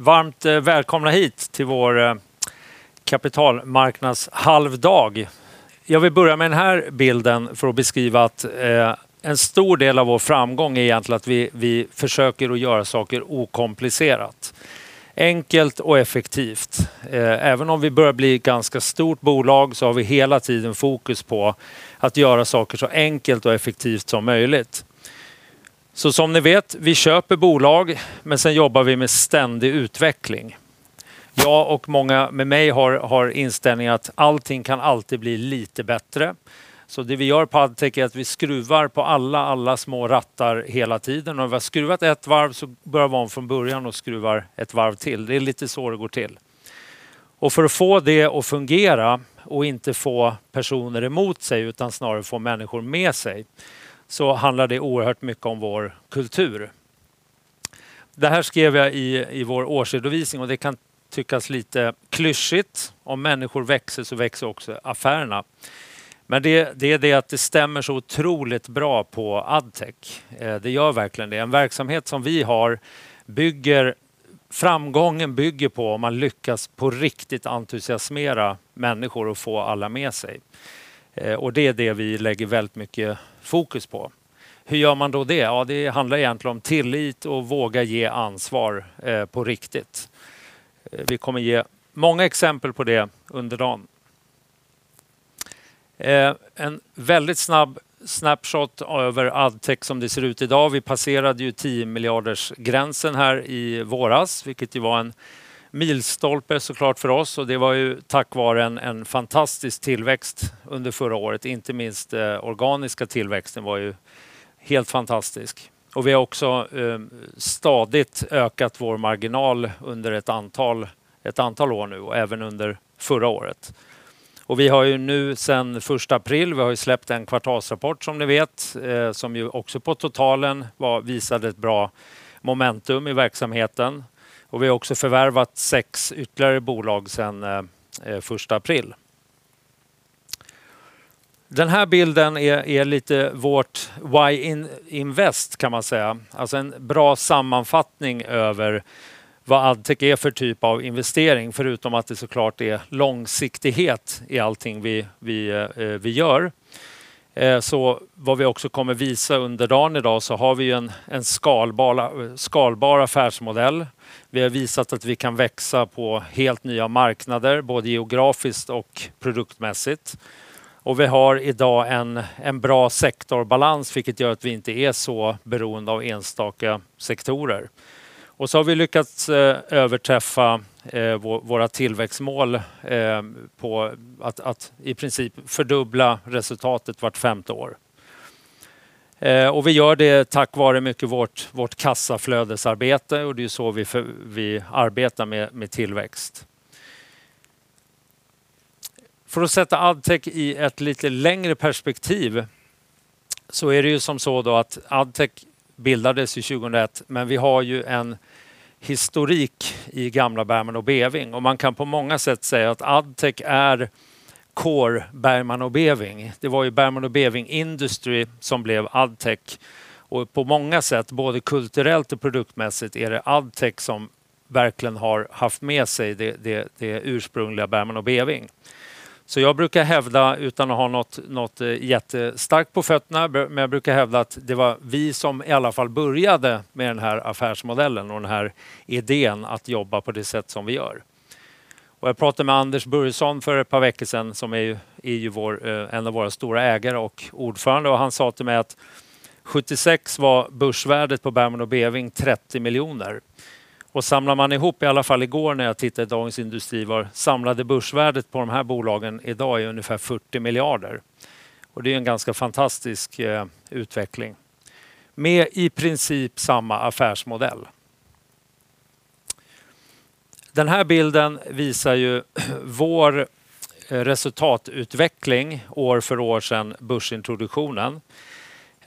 Also we look at From the Altek at Littelengrenperspective, so here is some sort of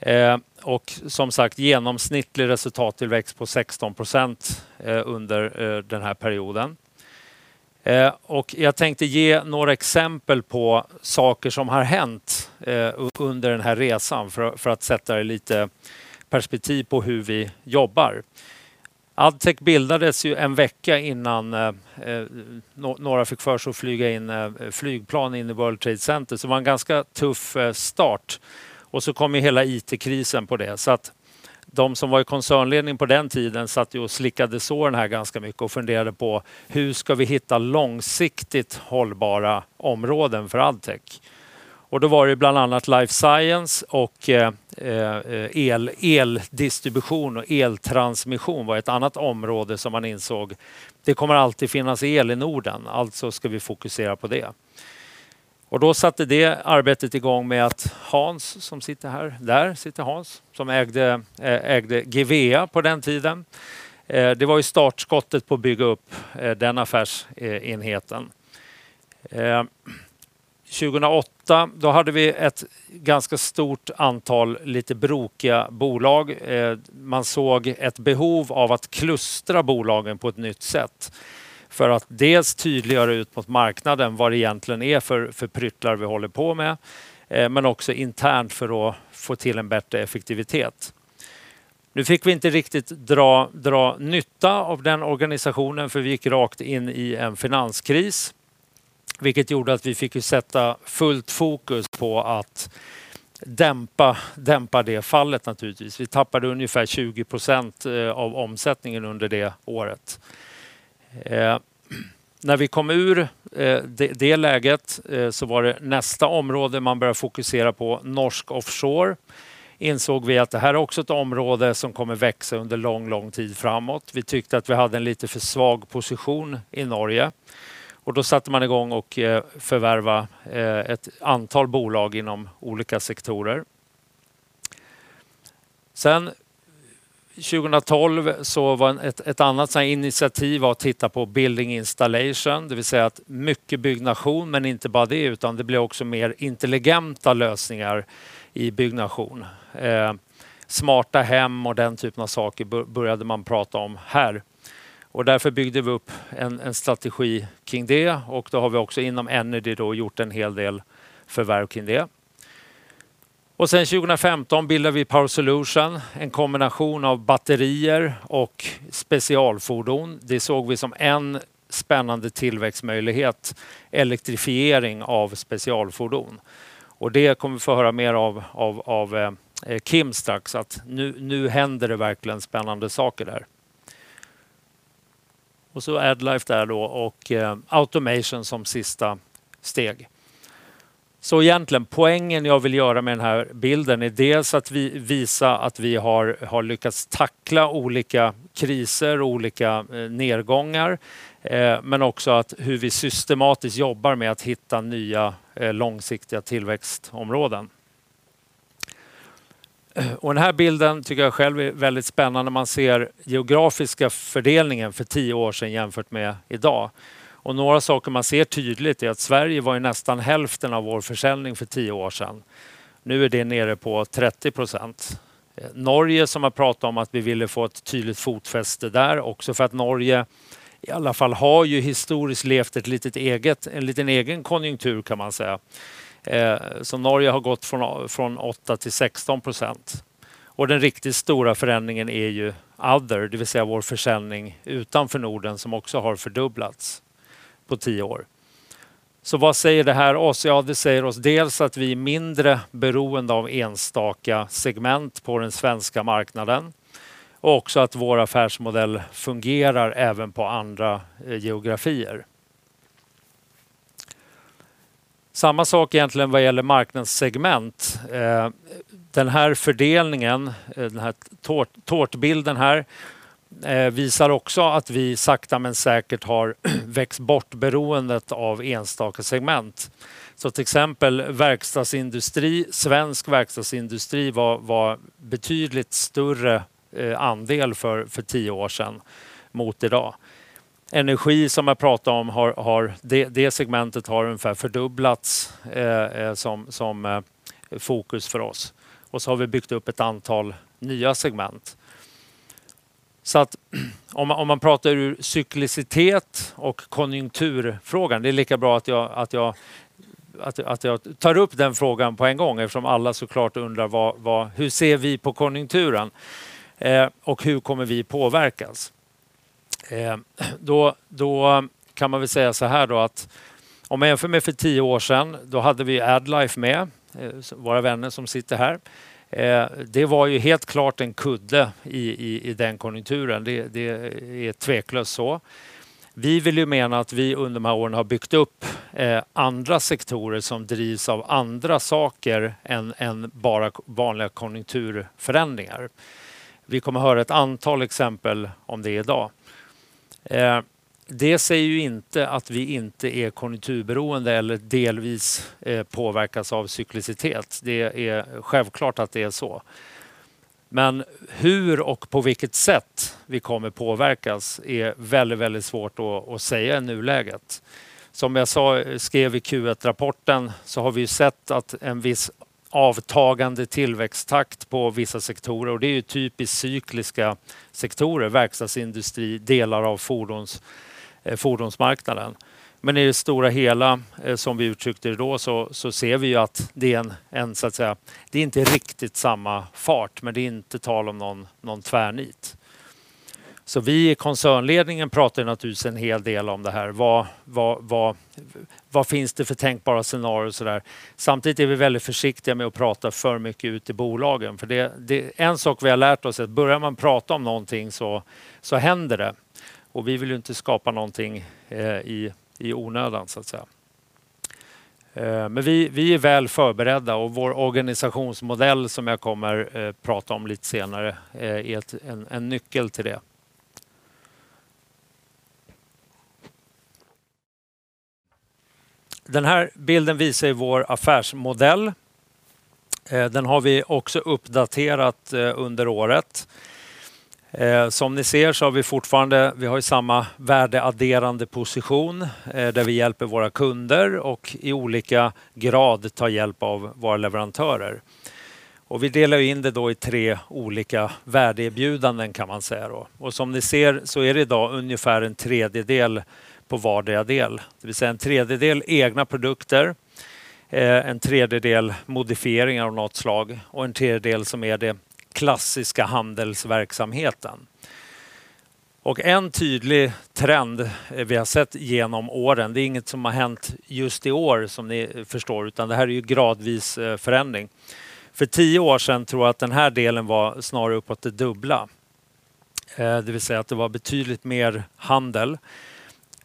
Altek Also, Ad Life Automation on Sista Steg. So Jantlen Poueng and Joviljaramen have built any deals at VISA at Viharlika's Tackla Ollika Kriese Ollika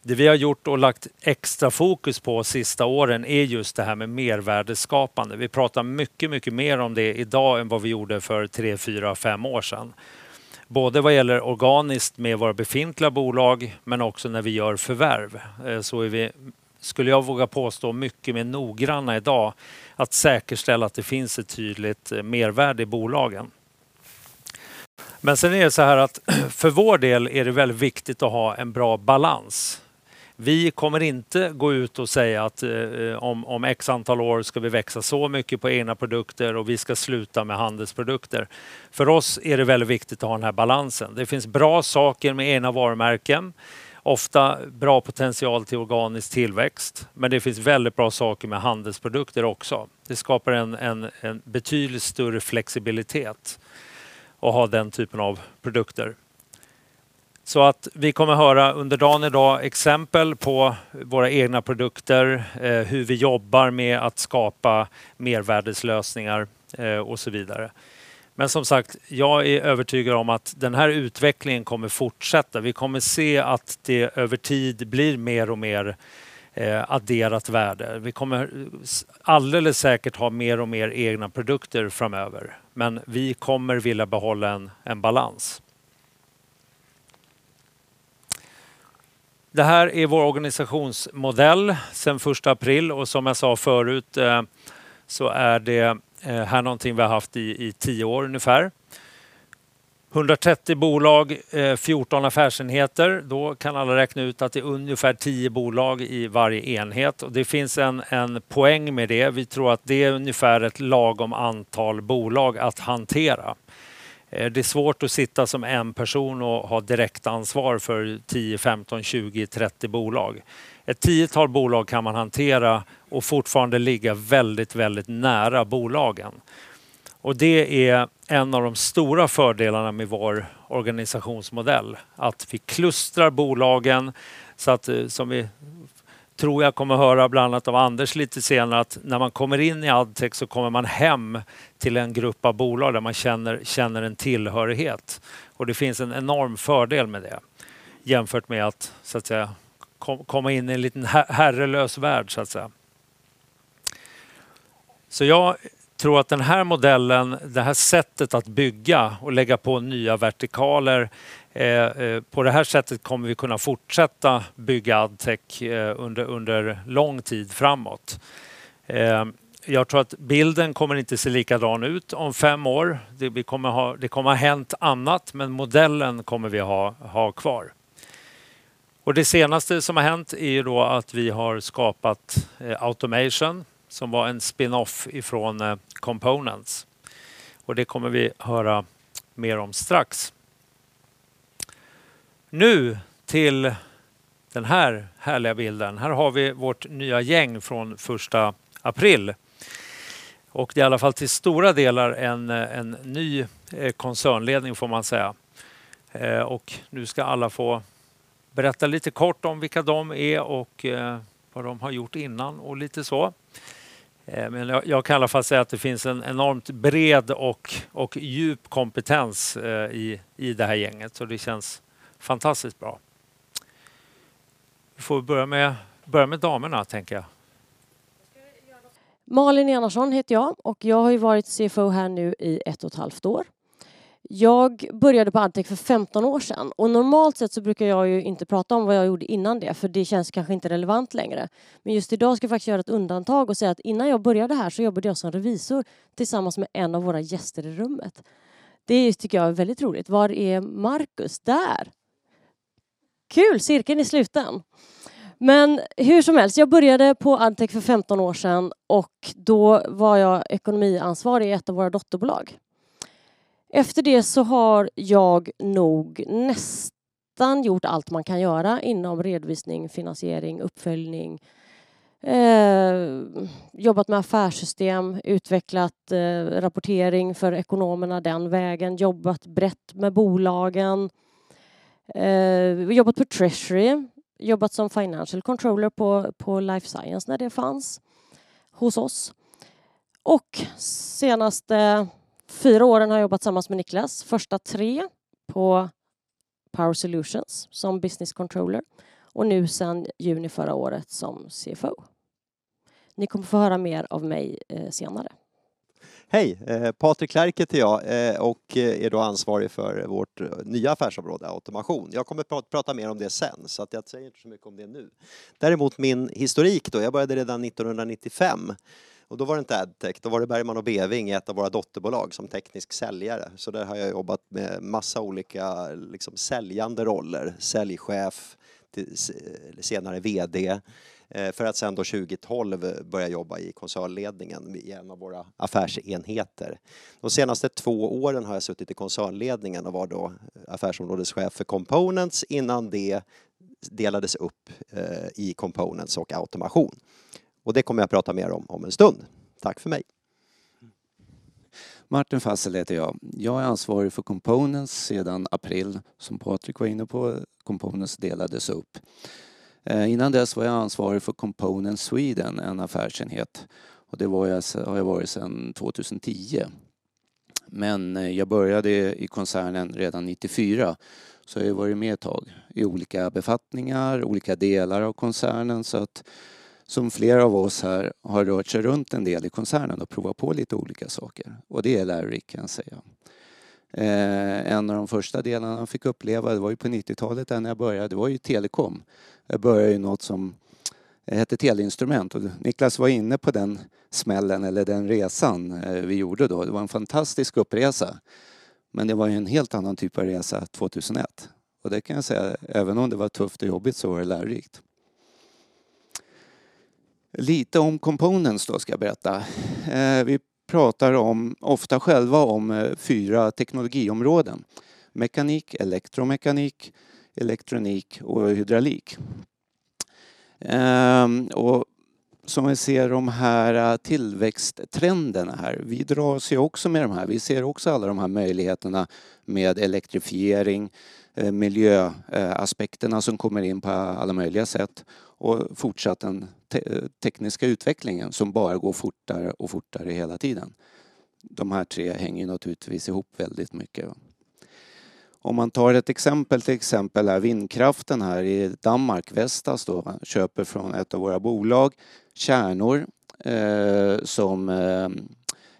us. But if it's well,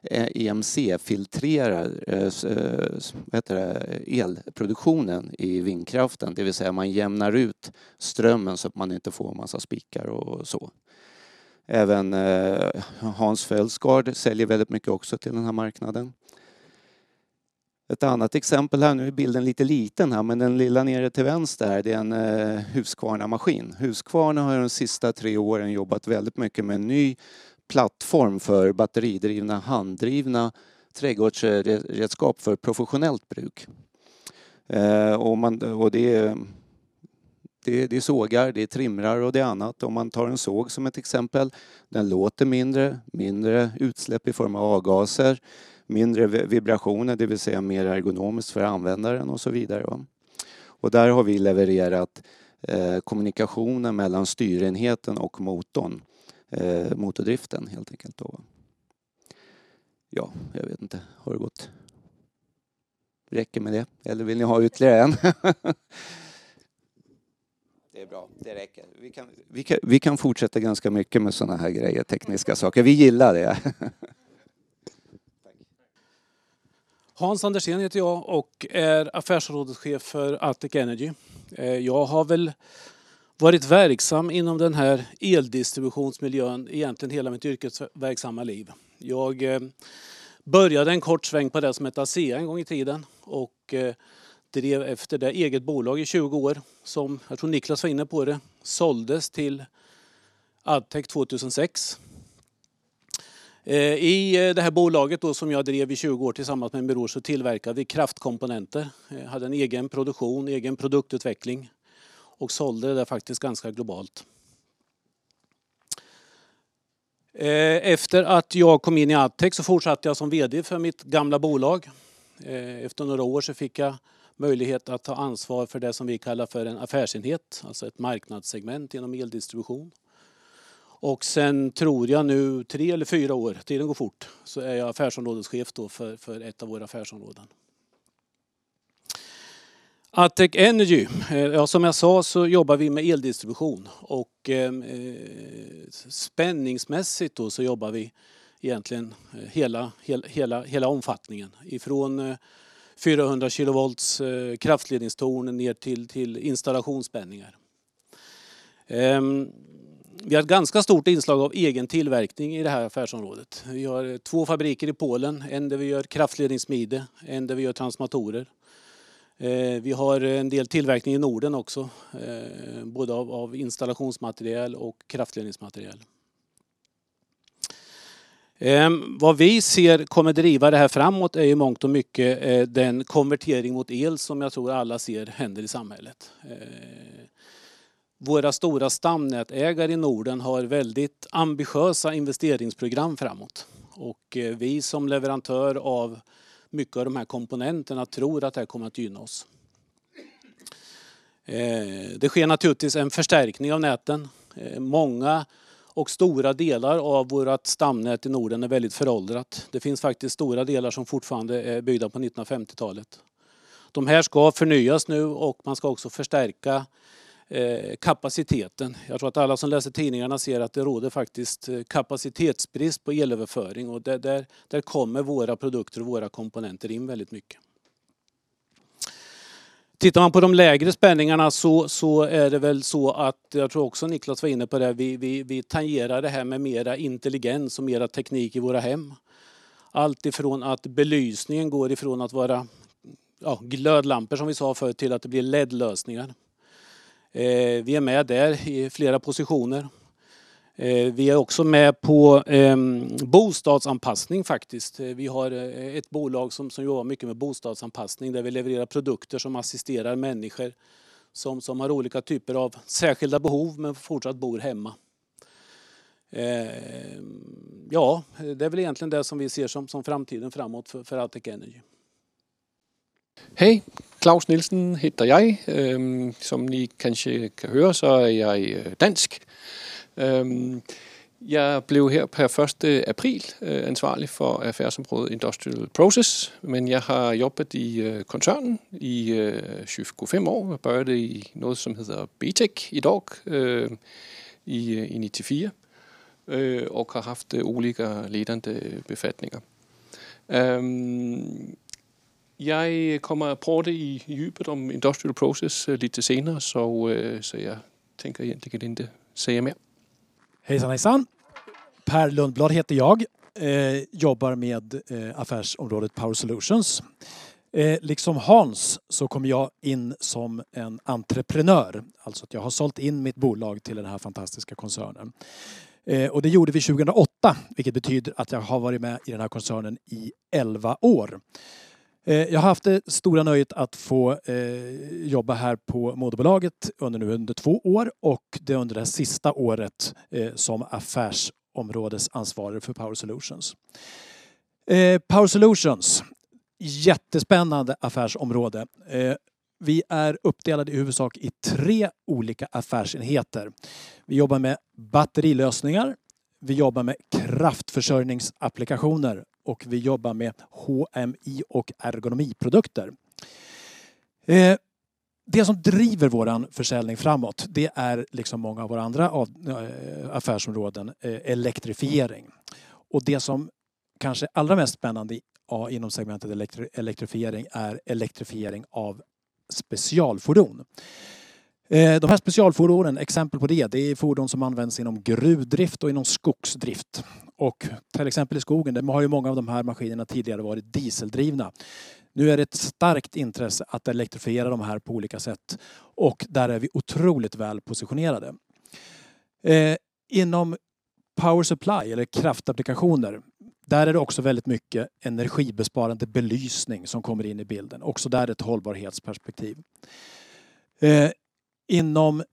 it's a very high level of flexibility at our other than Tupenov's production. Or they come with our MIRAM structs. And you send Unifar over at some CFO. Nikkom Faramir of May Siamare. In Andes, we announced for Components Sweden and however that we are whole little well to lead towards concept. We have some financials in the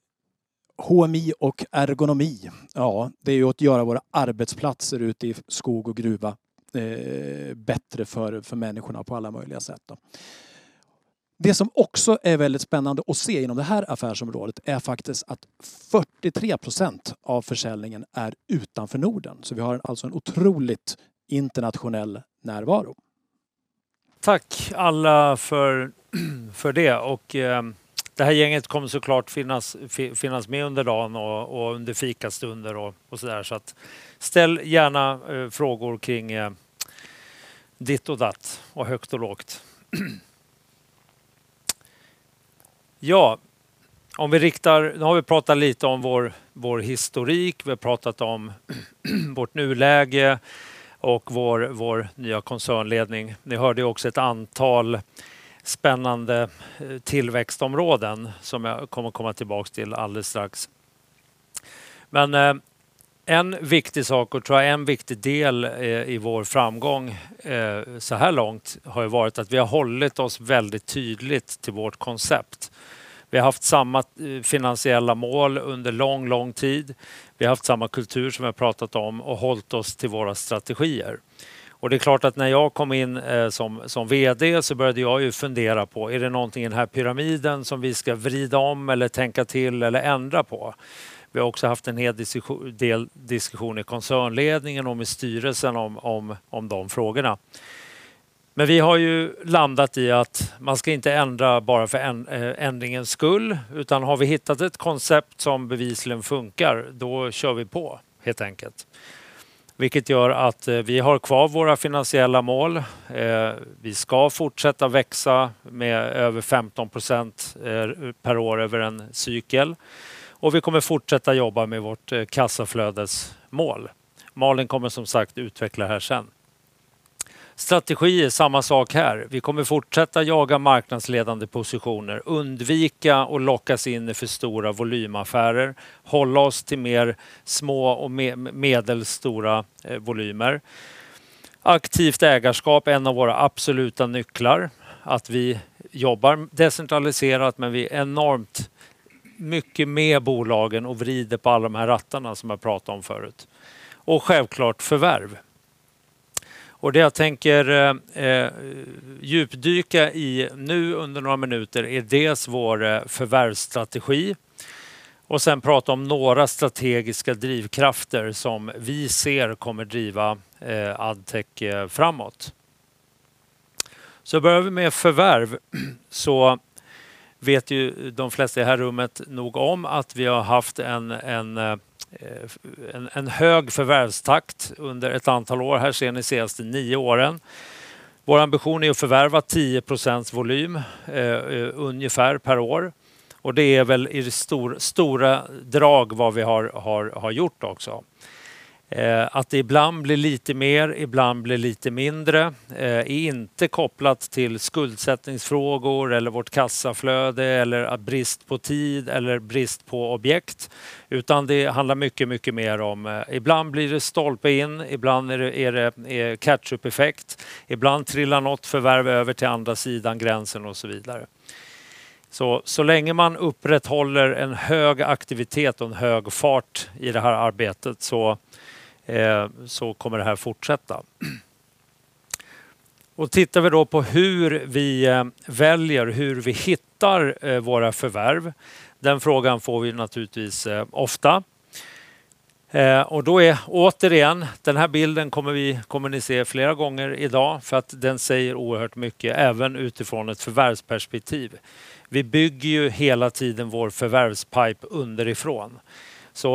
long,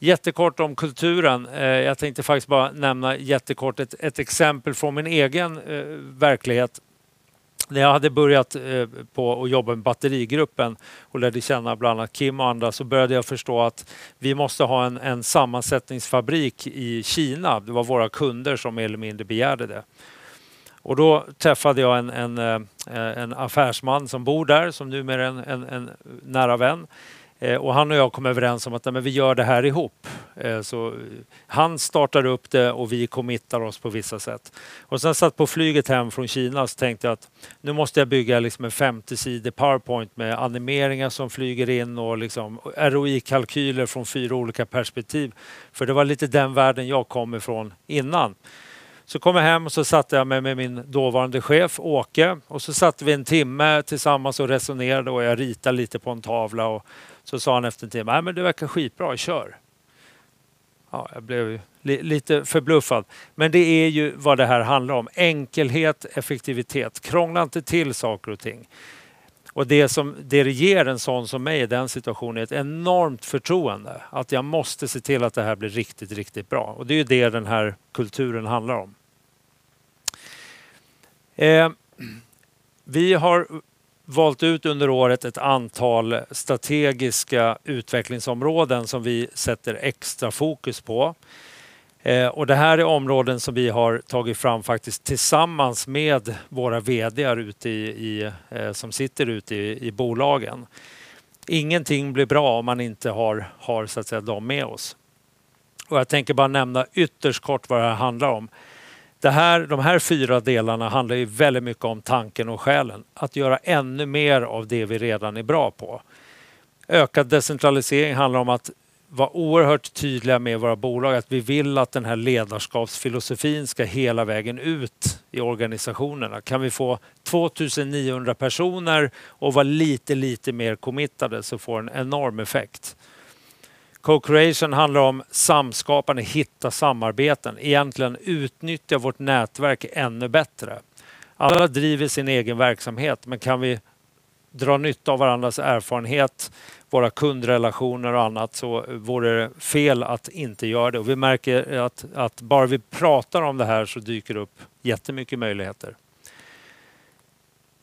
long Equal opportunities.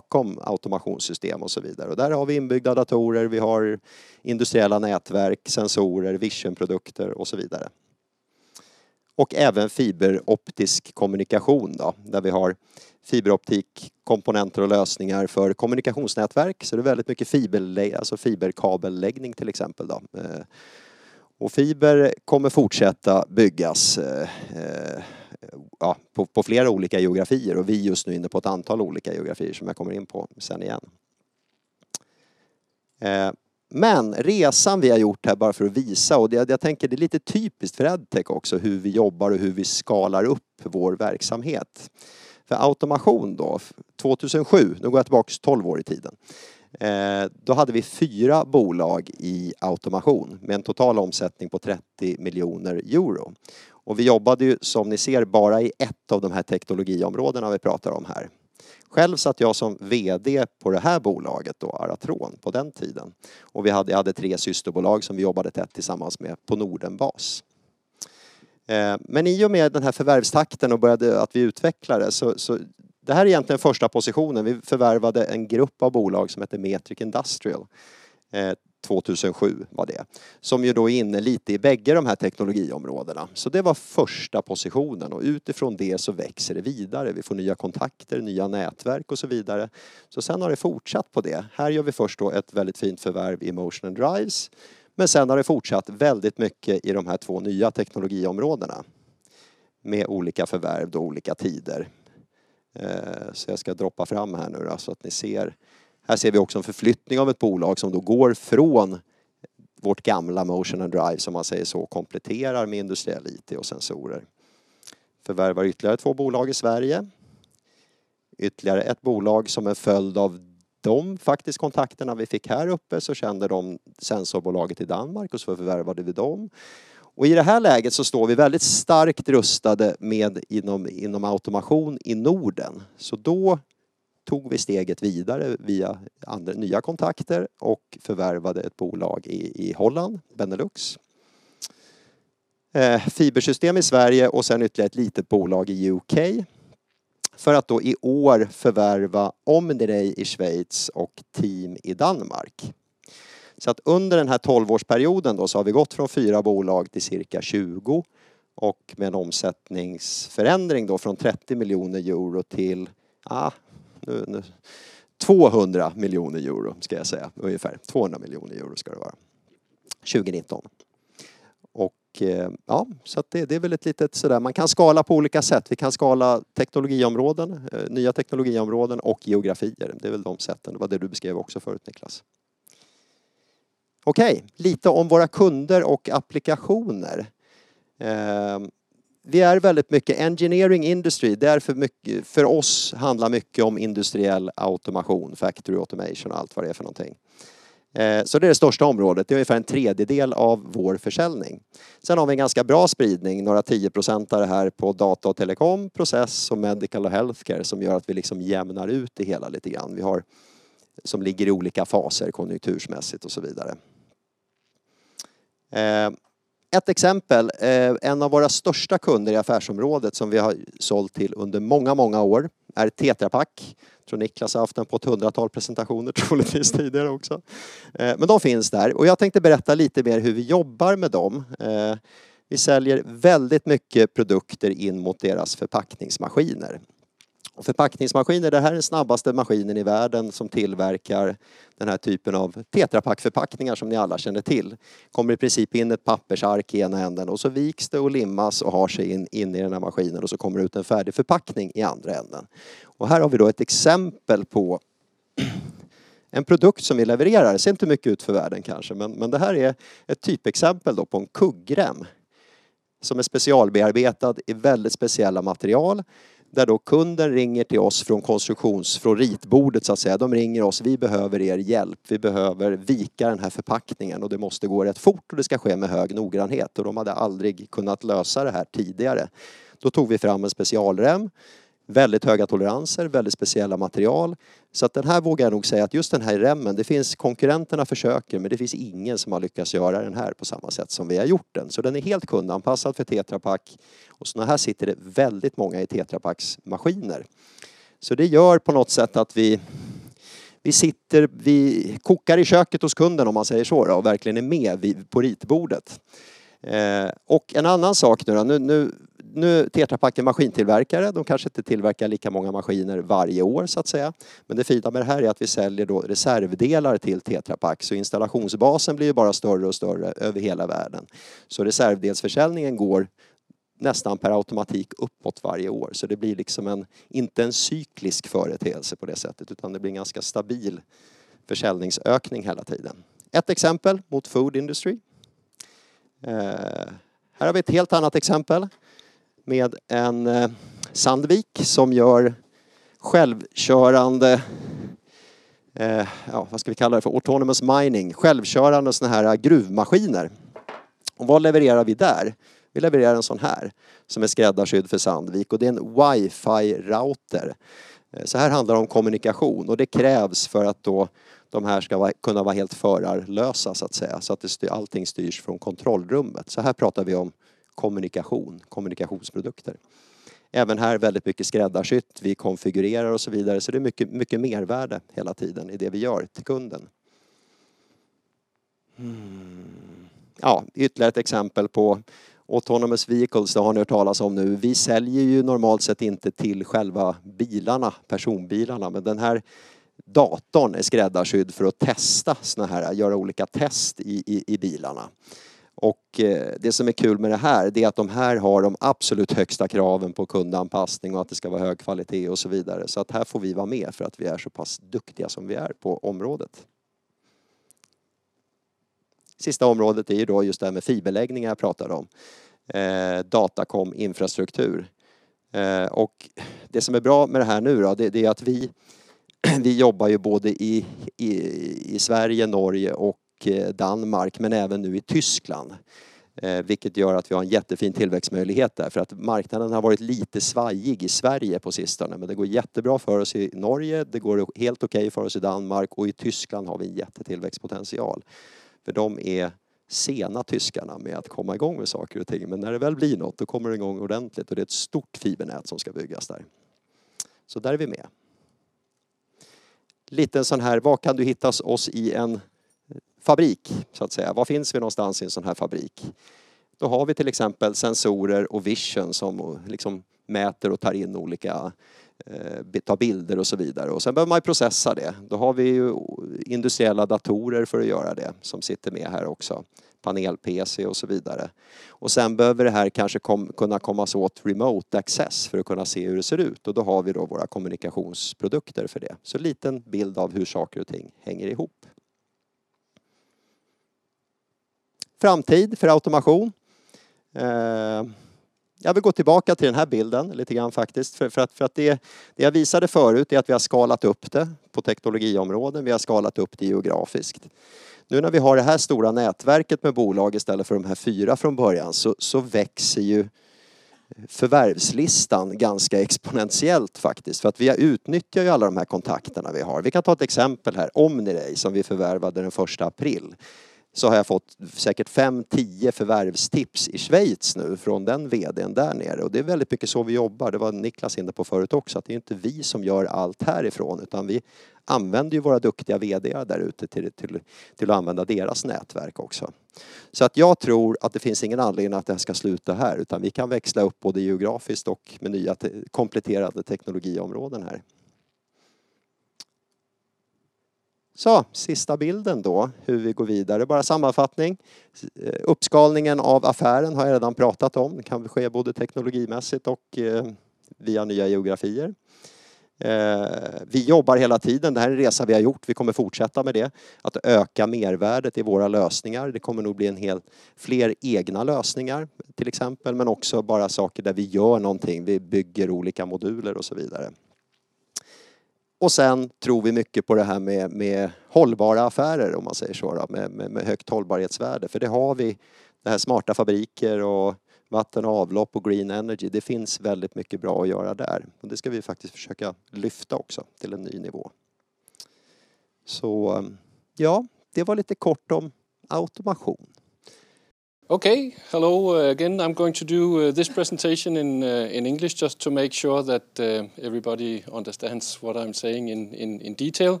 Presentation in English just to make sure that everybody understands what I'm saying in detail.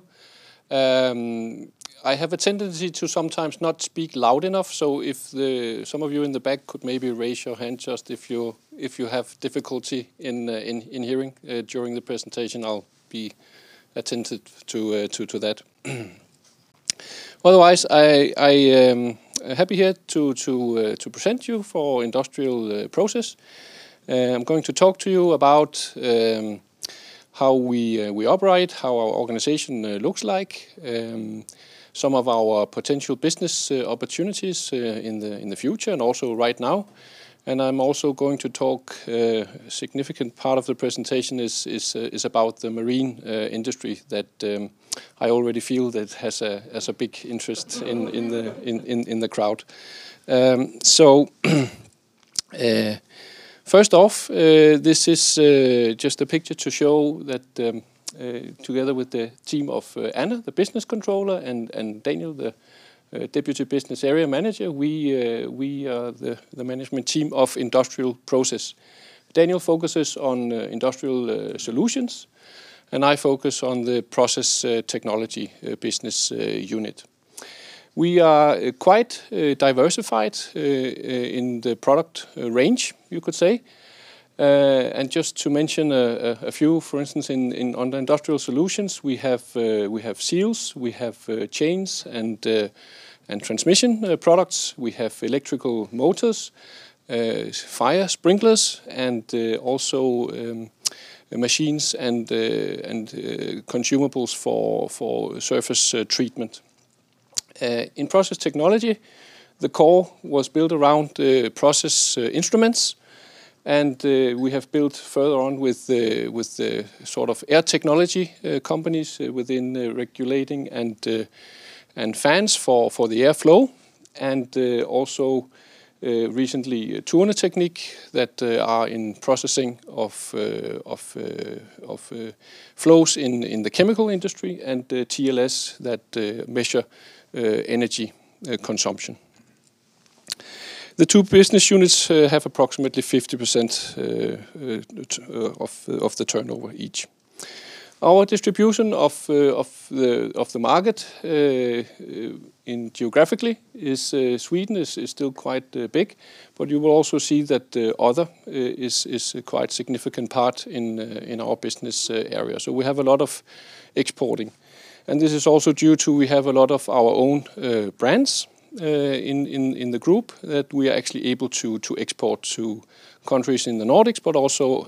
I have a tendency to sometimes not speak loud enough. So if some of you in the back could maybe raise your hand just if you have difficulty in hearing during the presentation, I'll be attentive to that. Otherwise, I am happy here to present you for Industrial Process. I'm going to talk to you about how we operate, how our organization looks like, some of our potential business opportunities in the future and also right now. And I'm also going to talk a significant part of the presentation is about the marine industry that I already feel that has a big interest in the crowd. So first off, this is just a picture to show that together with the team of Anders, the Business Controller and Daniel, the Deputy Business Area Manager. We are the management team of Industrial Process. Daniel focuses on Industrial Solutions, and I focus on the Process Technology Business Unit. We are quite diversified in the product range, you could say. And just to mention a few, for instance, in Industrial Solutions, we have seals, we have chains and transmission products, we have electrical motors, fire sprinklers and also machines and consumables for surface treatment. In Process Technology, the core was built around Process Instruments, and we have built further on with the sort of air technology companies within regulating and fans for the airflow and also recently Tuhonertenik that are in processing of flows in the chemical industry and TLS that measure energy consumption. The 2 business units have approximately 50% of the turnover each. Our distribution of the market in geographically is Sweden is still quite big, but you will also see that other is a quite significant part in our business area. So we have a lot of exporting. And this is also due to we have a lot of our own brands in the group that we are actually able to export to countries in the Nordics, but also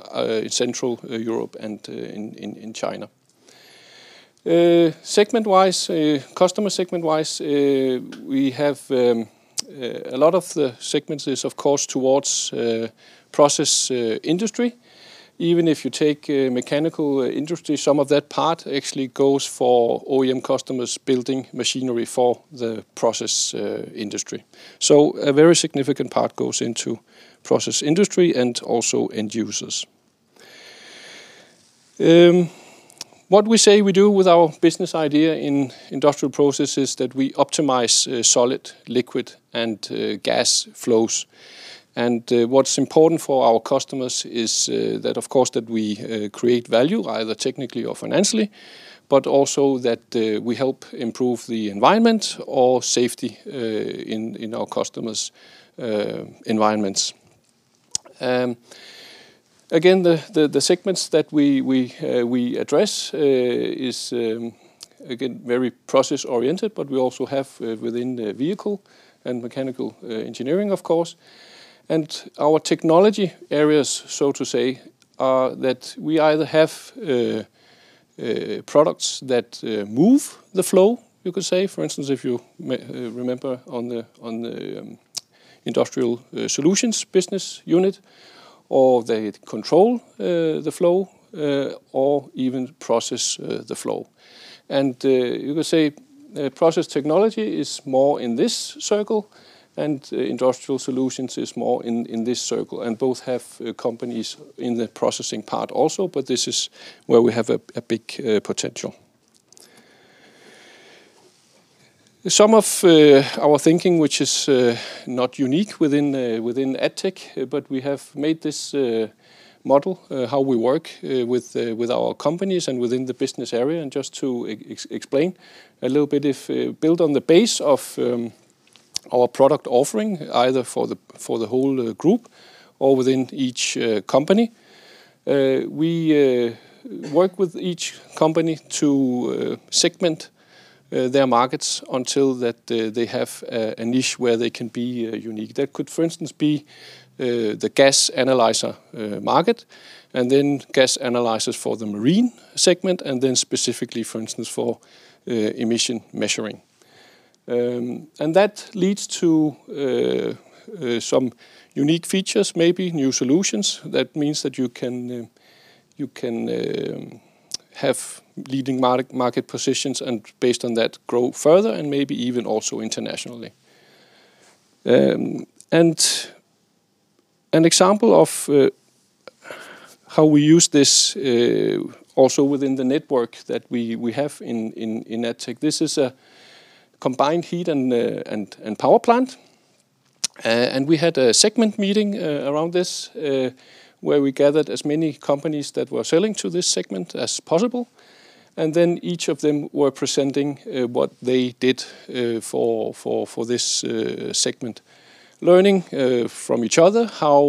Central Europe and in China. Segment wise, customer segment wise, we have a lot of the segments is, of course, towards Process Industry. Even if you take Mechanical Industry, some of that part actually goes for OEM customers building machinery for the process industry. So a very significant part goes into process industry and also end users. What we say we do with our business idea in Industrial Process is that we optimize solid, liquid and gas flows. And what's important for our customers is that, of course, that we create value either technically or financially, but also that we help improve the environment or safety in our customers' environments. Again, the segments that we address is, again, very process oriented, but we also have within vehicle and mechanical engineering, of course. And our technology areas, so to say, are that we either have products that move the flow, you could say, for instance, if you remember on the Industrial Solutions Business Unit or they control the flow or even process the flow. And you could say Process Technology is more in this circle and Industrial Solutions is more in this circle. And both have companies in the processing part also, but this is where we have a big potential. Some of our thinking, which is not unique within EdTech, but we have made this model how we work with our companies and within the business area. And just to explain a little bit, if build on the base of our product offering either for the whole group or within each company. We work with each company to segment their markets until that they have a niche where they can be unique. That could, for instance, be the gas analyzer market and then gas analyzers for the marine segment and then specifically, for instance, for emission measuring. And that leads to some unique features, maybe new solutions. That means that you can have leading market positions and based on that, grow further and maybe even also internationally. And an example of how we use this also within the network that we have in EdTech. This is a combined heat and power plant. And we had a segment meeting around this where we gathered as many companies that were selling to this segment as possible. And then each of them were presenting what they did for this segment, learning from each other how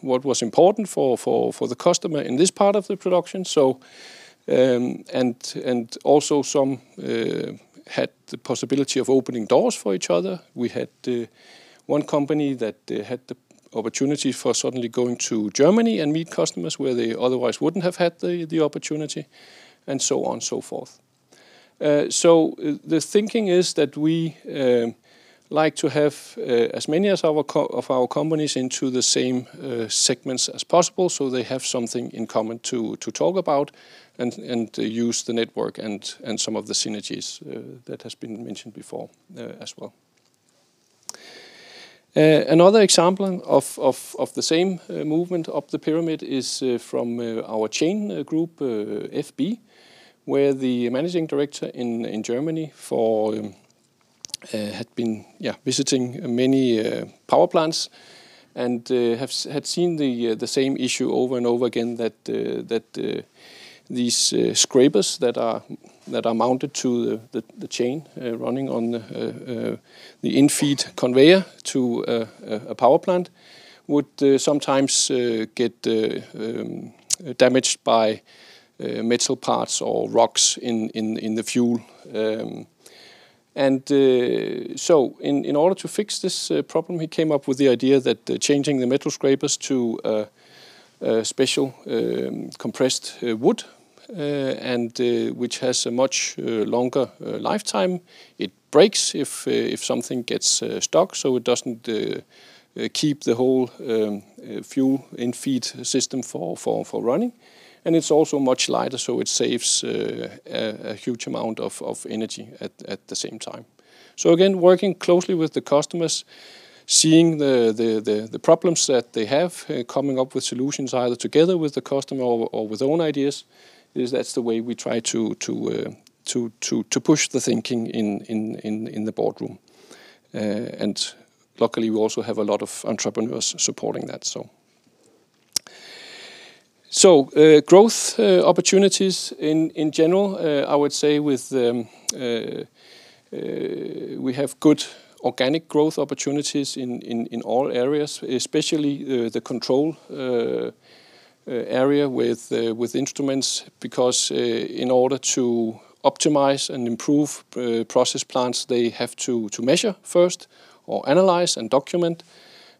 what was important for the customer in this part of the production. So and also some had the possibility of opening doors for each other. We had one company that had the opportunity for suddenly going to Germany and meet customers where they otherwise wouldn't have had the opportunity and so on and so forth. So the thinking is that we like to have as many of our companies into the same segments as possible so they have something in common to talk about and use the network and some of the synergies that has been mentioned before as well. Another example of the same movement of the pyramid is from our chain group FB, where the Managing Director in Germany for had been visiting many power plants and had seen the same issue over and over again that these scrapers that are mounted to the chain running on the infeed conveyor to a power plant would sometimes get damaged by metal parts or rocks in the fuel. And so, in order to fix this problem, he came up with the idea that changing the metal scrapers to special compressed wood and which has a much longer lifetime. It breaks if something gets stuck, so it doesn't keep the whole fuel in feed system for running. And it's also much lighter, so it saves a huge amount of energy at the same time. So again, working closely with the customers, seeing the problems that they have, coming up with solutions either together with the customer or with their own ideas is that's the way we try try to push the thinking in the boardroom. And luckily, we also have a lot of entrepreneurs supporting that. So growth opportunities in general, I would say with we have good organic growth opportunities in all areas, especially the control area with instruments because in order to optimize and improve process plants, they have to measure first or analyze and document.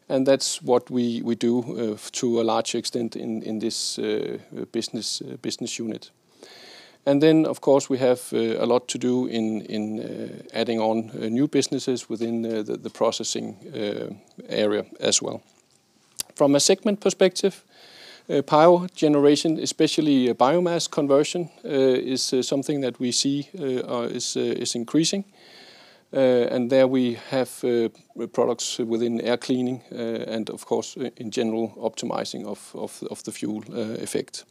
And that's what we do to a large extent in this business unit. And then, of course, we have a lot to do in adding on new businesses within the processing area as well. From a segment perspective, power generation, especially biomass conversion, is something that we see is increasing. And there we have products within air cleaning and, of course, in general, optimizing of the fuel effect.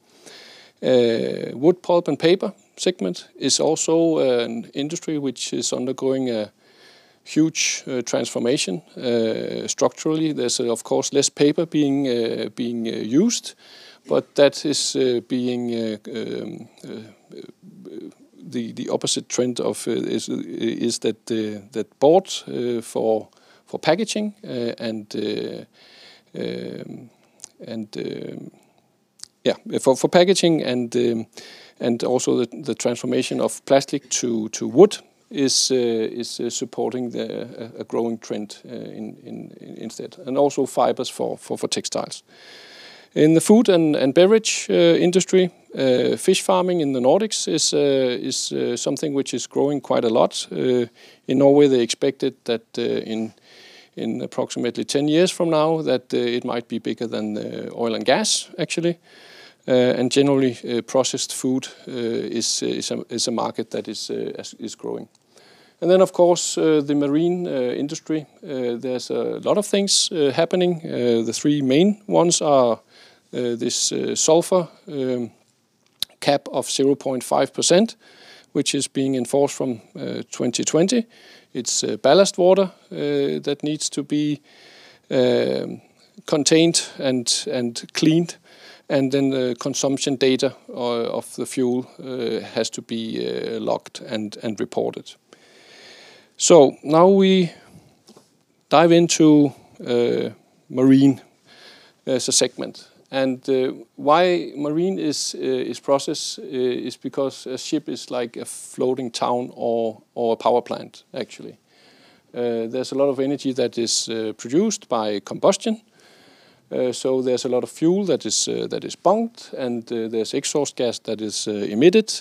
Wood, Pulp and Paper segment is also an industry which is undergoing a huge transformation structurally. There's, of course, less paper being used, but that is being the opposite trend of is that bought for packaging and yes, for packaging and also the transformation of plastic to wood is supporting a growing trend instead and also fibers for textiles. In the food and beverage industry, fish farming in the Nordics is something which is growing quite a lot. In Norway, they expected that in approximately 10 years from now that it might be bigger than oil and gas actually. And generally, processed food is a market that is growing. And then, of course, the marine industry. There's a lot of things happening. The 3 main ones are this sulfur cap of 0.5%, which is being enforced from 2020. It's ballast water that needs to be contained and cleaned. And then the consumption data of the fuel has to be locked and reported. So now we dive into Marine as a segment. And why Marine is processed is because a ship is like a floating town or a power plant actually. There's a lot of energy that is produced by combustion. So there's a lot of fuel that is bound and there's gas that is emitted.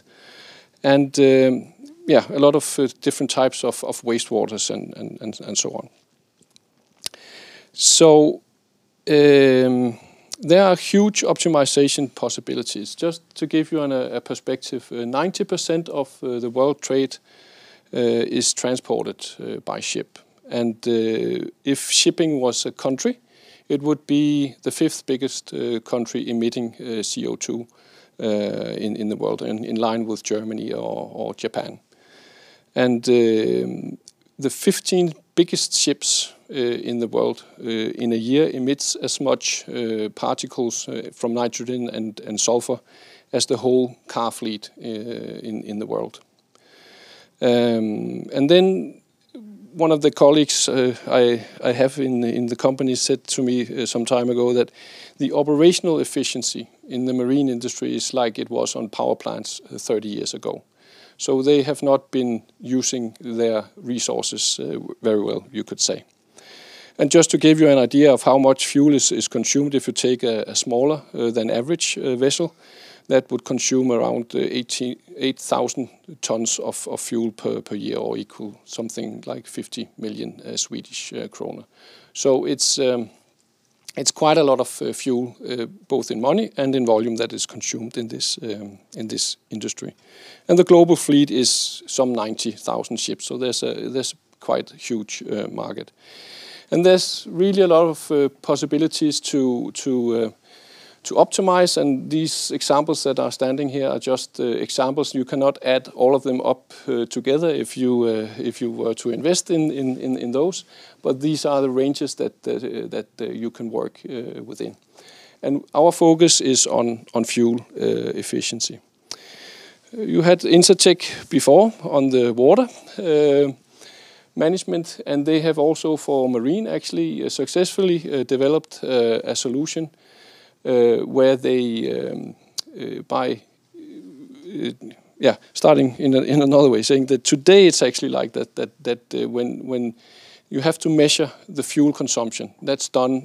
And yes, a lot of different types of wastewaters and so on. So there are huge optimization possibilities. Just to give you a perspective, 90% of the world trade is transported by ship. And if shipping was a country, it would be the 5th biggest country emitting CO2 in the world and in line with Germany or Japan. And the 15 biggest ships in the world in a year emits as much particles from nitrogen and sulfur as the whole car fleet in the world. And then one of the colleagues I have in the company said to me some time ago that the operational efficiency in the marine industry is like it was on power plants 30 years ago. So they have not been using their resources very well, you could say. And just to give you an idea of how much fuel is consumed, if you take a smaller than average vessel, that would consume around 8,000 tonnes of fuel per year or equal something like SEK 50,000,000. So it's quite a lot of fuel, both in money and in volume that is consumed in this industry. And the global fleet is some 90,000 ships. So there's quite a huge market. And there's really a lot of possibilities to optimize. And these examples that are standing here are just examples. You cannot add all of them up together if you were to invest in those, but these are the ranges that you can work within. And our focus is on fuel efficiency. You had Intertek before on the water management. And they have also, for Marine actually, successfully developed a solution where they by yes, starting in another way, saying that today it's actually like that when you have to measure the fuel consumption, that's done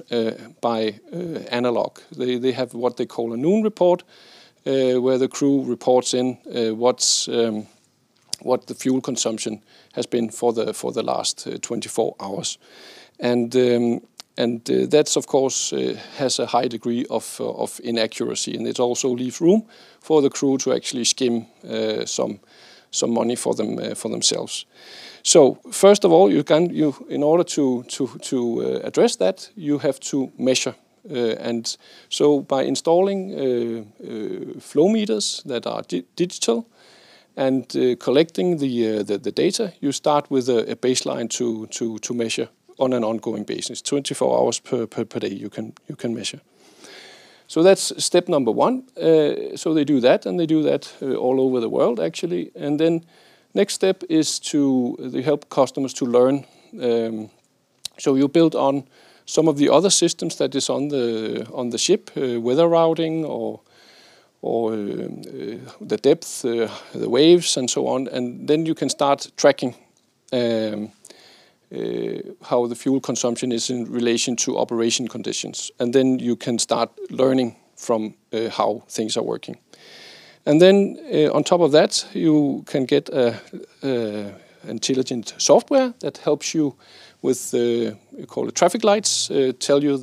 by analog. They have what they call a new report, where the crew reports in what the fuel consumption has been for the last 24 hours. And that, of course, has a high degree of inaccuracy. And it also leaves room for the crew to actually skim some money for themselves. So first of all, you can in order to address that, you have to measure. And so by installing flow meters that are digital and collecting the data, you start with a baseline to measure on an ongoing basis, 24 hours per day you can measure. So that's step number 1. So they do that and they do that all over the world actually. And then next step is to help customers to learn. So you build on some of the other systems that is on the ship, weather routing or the depth, the waves and so on. And then you can start tracking how the fuel consumption is in relation to operation conditions. And then you can start learning from how things are working. And then on top of that, you can get Intelligent software that helps you with, call it, traffic lights, tell you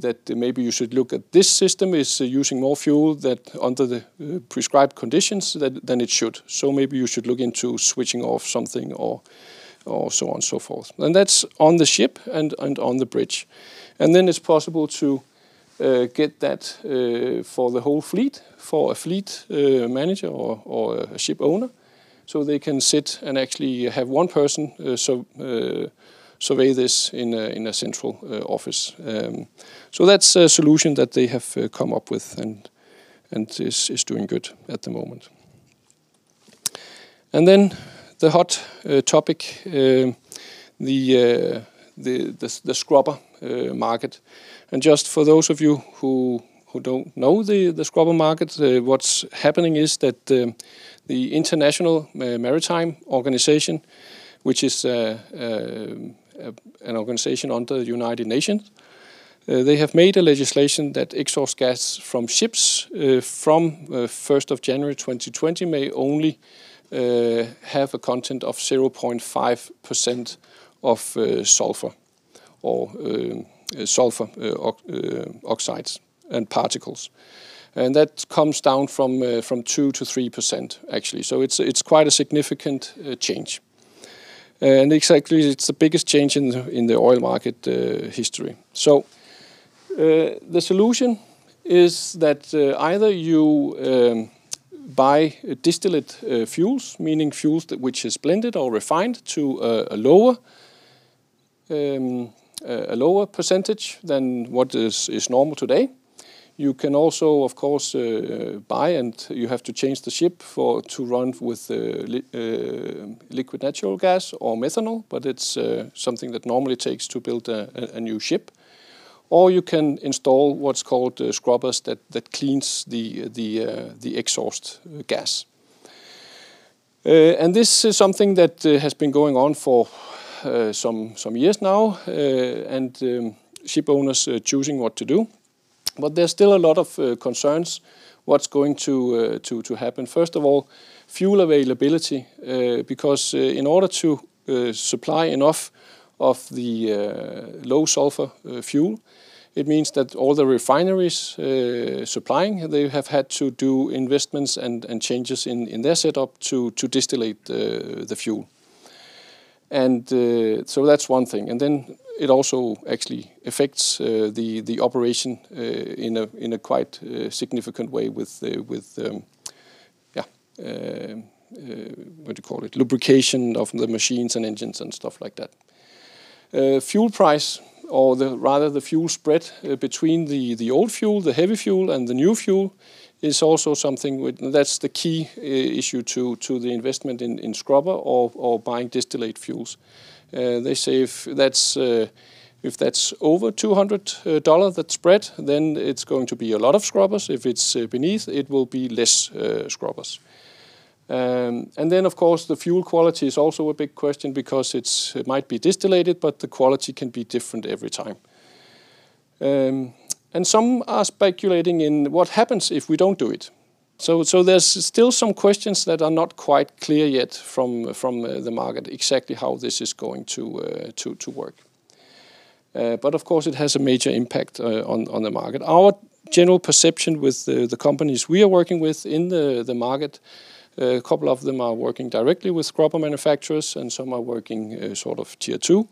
that maybe you should look at this system is using more fuel that under the prescribed conditions than it should. So maybe you should look into switching off something or so on and so forth. And that's on the ship and on the bridge. And then it's possible to get that for the whole fleet, for a fleet manager or a ship owner, So they can sit and actually have one person survey this in a central office. That's a solution that they have come up with and is doing good at the moment. And then the hot topic, the scrubber market. And just for those of you who don't know the scrubber market, what's happening is that the International Maritime Organization, which is an organization under the United Nations. They have made a legislation that exhaust gas from ships from 1st January 2020 may only have a content of 0.5% of sulfur or sulfur oxides and particles. And that comes down from 2% to 3% actually. So it's quite a significant change. And exactly, it's the biggest change in the oil market history. So the solution is that either you buy distillate fuels, meaning fuels which is blended or refined, to a lower percentage than what is normal today. You can also, of course, buy and you have to change the ship for to run with liquid natural gas or methanol, but it's something that normally takes to build a new ship. Or you can install what's called scrubbers that cleans the exhaust gas. And this is something that has been going on for some years now and ship owners choosing what to do. But there's still a lot of concerns what's going to happen. 1st of all, fuel availability, because in order to supply enough of the low sulfur fuel, it means that all the refineries supplying, they have had to do investments and changes in their setup to distillate the fuel. And so that's one thing. And then it also actually affects the operation in a quite significant way with, yes, what do you call it, lubrication of the machines and engines and stuff like that. Fuel price or rather the fuel spread between the old fuel, the heavy fuel and the new fuel is also something that's the key issue to the investment in scrubber or buying distillate fuels. They say if that's over $200 that's spread, then it's going to be a lot of scrubbers. If it's beneath, it will be less scrubbers. And then, of course, the fuel quality is also a big question because it might be distillated, but the quality can be different every time. And some are speculating in what happens if we don't do it. So there's still some questions that are not quite clear yet from the market exactly how this is going to work. But of course, it has a major impact on the market. Our general perception with the companies we are working with in the market, a couple of them are working directly with scrubber manufacturers and some are working sort of Tier 2,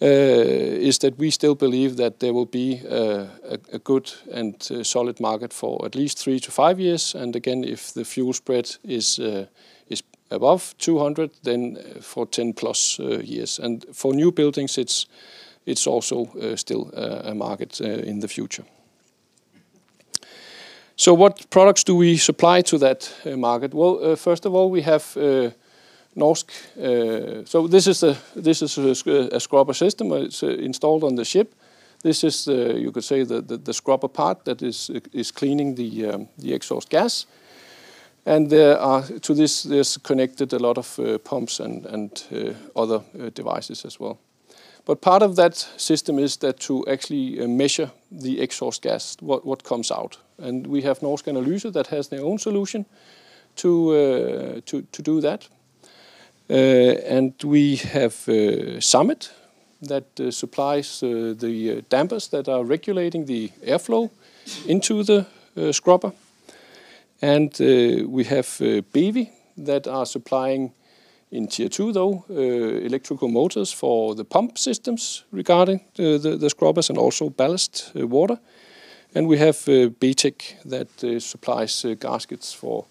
is that we still believe that there will be a good and solid market for at least 3 to 5 years. And again, if the fuel spread is above 200, then for 10 plus years. And for new buildings, it's also still a market in the future. So what products do we supply to that market? Well, first of all, we have Norsk. So, this is a scrubber system. It's installed on the ship. This is, you could say, the scrubber part that is cleaning the exhaust gas. And to this, this connected a lot of pumps and other devices as well. But part of that system is that to actually measure the exhaust gas, what comes out. And we have Norsk and Olusse that has their own solution to do that. And we have Summit that supplies the dampers that are regulating the airflow into the scrubber. And we have BV that are supplying in Tier 2 though electrical motors for the pump systems regarding the scrubbers and also ballast water. And we have BTEC that supplies gaskets for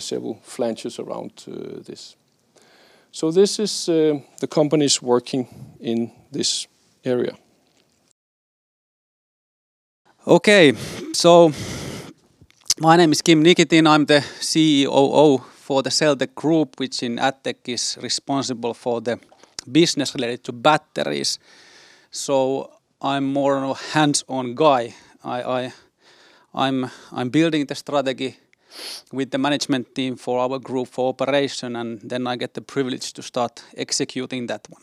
several flanges around this. So this is the companies working in this area. Okay. So my name is Kim Niketin. I'm the COO for the Seltek Group, which in Adtech is responsible for the business related to batteries. So I'm more hands on guy. I'm building the strategy with the management team for our group operation and then I get the privilege to start executing that one.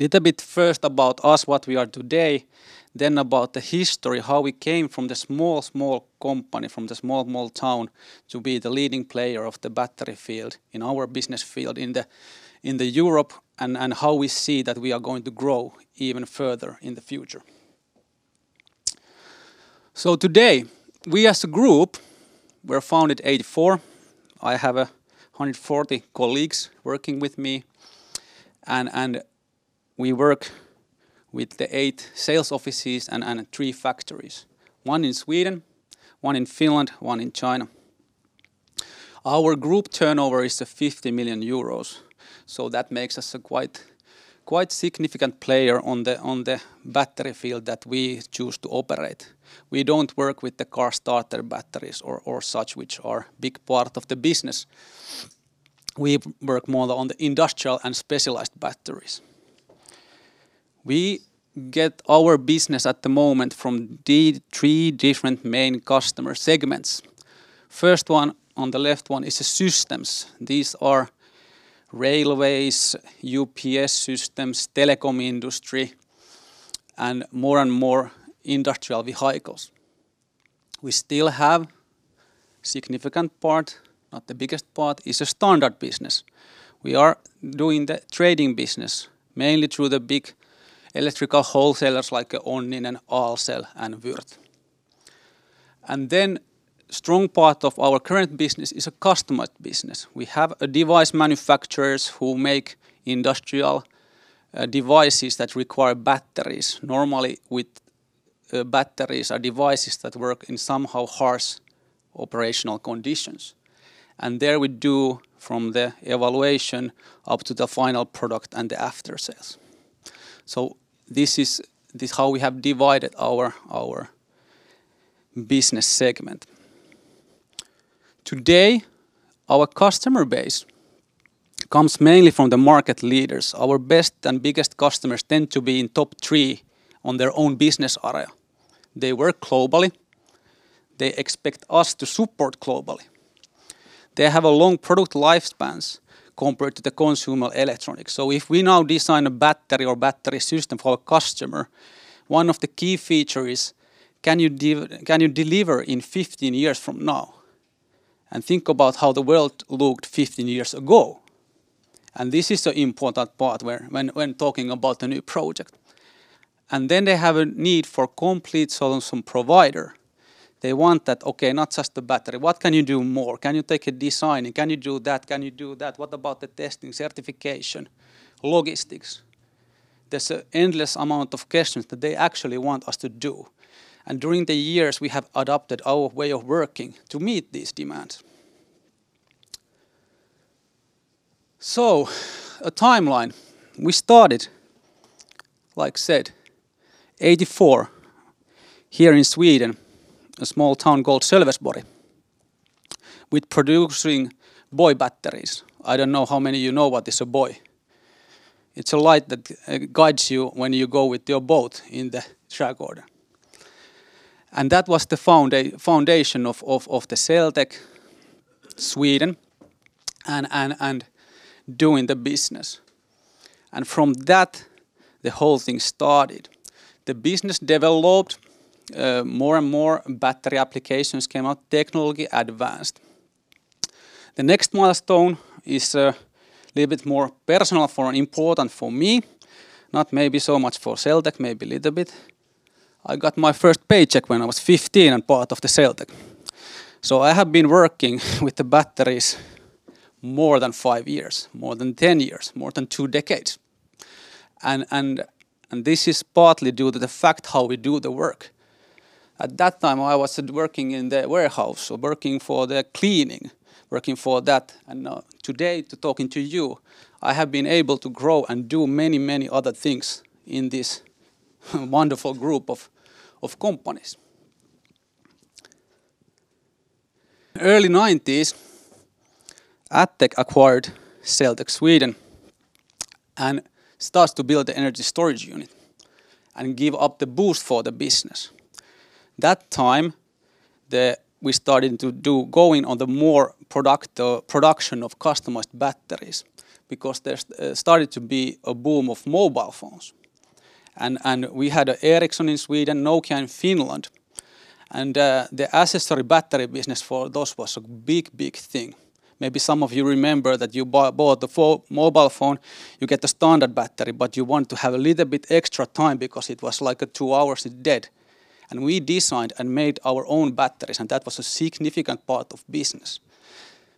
Little bit first about us, what we are today, then about the history, how we came from the small, small company, from the small, small town to be the leading player of the battery field in our business field in the Europe and how we see that we are going to grow even further in the future. So today, we as a group, we're founded 84. I have 1 140 colleagues working with me. And we work with the 8 sales offices and 3 factories, 1 in Sweden, 1 in Finland, 1 in China. Our group turnover is €50,000,000 so that makes us a quite significant player on the battery field that we choose to operate. We don't work with the car starter batteries or such, which are big part of the business. We work more on the industrial and specialized batteries. We get our business at the moment from the 3 different main customer segments. First one on the left one is Systems. These are Railways, UPS Systems, Telecom Industry and more and more industrial vehicles. We still have significant part, not the biggest part, is a standard business. We are doing the trading business mainly through the big electrical wholesalers like Onin and AllCell and Wirth. And then strong part of our current business is a customer business. We have device manufacturers who make industrial devices that require batteries. Normally with batteries are devices that work in somehow harsh operational conditions. And there, we do from the evaluation up to the final product and the after sales. So this is how we have divided our business segment. Today, our customer base comes mainly from the market leaders. Our best and biggest customers tend to be in top 3 on their own business area. They work globally. They expect us to support globally. They have a long product lifespans compared to the consumer electronics. So if we now design a battery or battery system for a customer, one of the key features can you deliver in 15 years from now and think about how the world looked 15 years ago. And this is the important part where when talking about the new project. And then they have a need for complete solution provider. They want that, okay, not just the battery. What can you do more? Can you take a design? Can you do that? Can you do that? What about the testing, certification, logistics? There's an endless amount of questions that they actually want us to do. And during the years, we have adopted our way of working to meet these demands. So a time line. We started, like I said, 'eighty four here in Sweden, a small town called Selvesborg, with producing buoy batteries. I don't know how many you know what is a buoy. It's a light that guides you when you go with your boat in the track order. And that was the foundation of the SailTech Sweden and doing the business. And from that, the whole thing started. The business developed. More and more battery applications came out, technically advanced. The next milestone is a little bit more personal for an important for me, not maybe so much for Celltech, maybe a little bit. I got my first paycheck when I was 15 and part of the Celltech. So I have been working with the batteries more than 5 years, more than 10 years, more than 2 decades. And this is partly due to the fact how we do the work. At that time, I wasn't working in the warehouse, so working for the cleaning, working for that. And today, talking to you, I have been able to grow and do many, many other things in this wonderful group of companies. In the early '90s, Adtech acquired Seltec Sweden and starts to build the energy storage unit and give up the boost for the business. That time, we started to do going on the more production of customized batteries because there's started to be a boom of mobile phones. And we had Ericsson in Sweden, Nokia in Finland. And the accessory battery business for those was a big, big thing. Maybe some of you remember that you bought the mobile phone, you get the standard battery, but you want to have a little bit extra time because it was like 2 hours dead. And we designed and made our own batteries and that was a significant part of business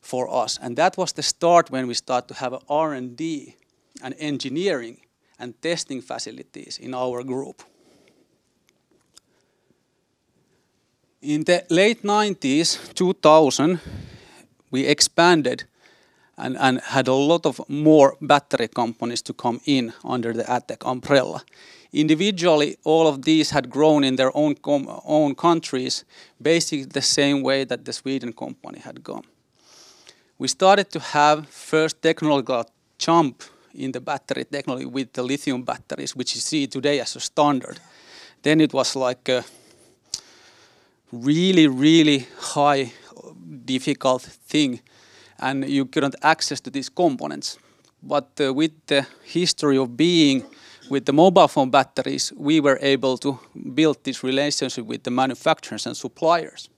for us. And that was the start when we start to have R and D and engineering and testing facilities in our group. In the late '90s, 2000, we expanded and had a lot of more battery companies to come in under the AdTeq umbrella. Individually, all of these had grown in their own countries, basically the same way that the Sweden company had gone. We started to have 1st technical jump in the battery technology with the lithium batteries, which you see today as a standard. Then it was like a really, really high difficult thing and you couldn't access to these components. But with the history of being with the mobile phone batteries, we were able to build this relationship with the manufacturers and suppliers.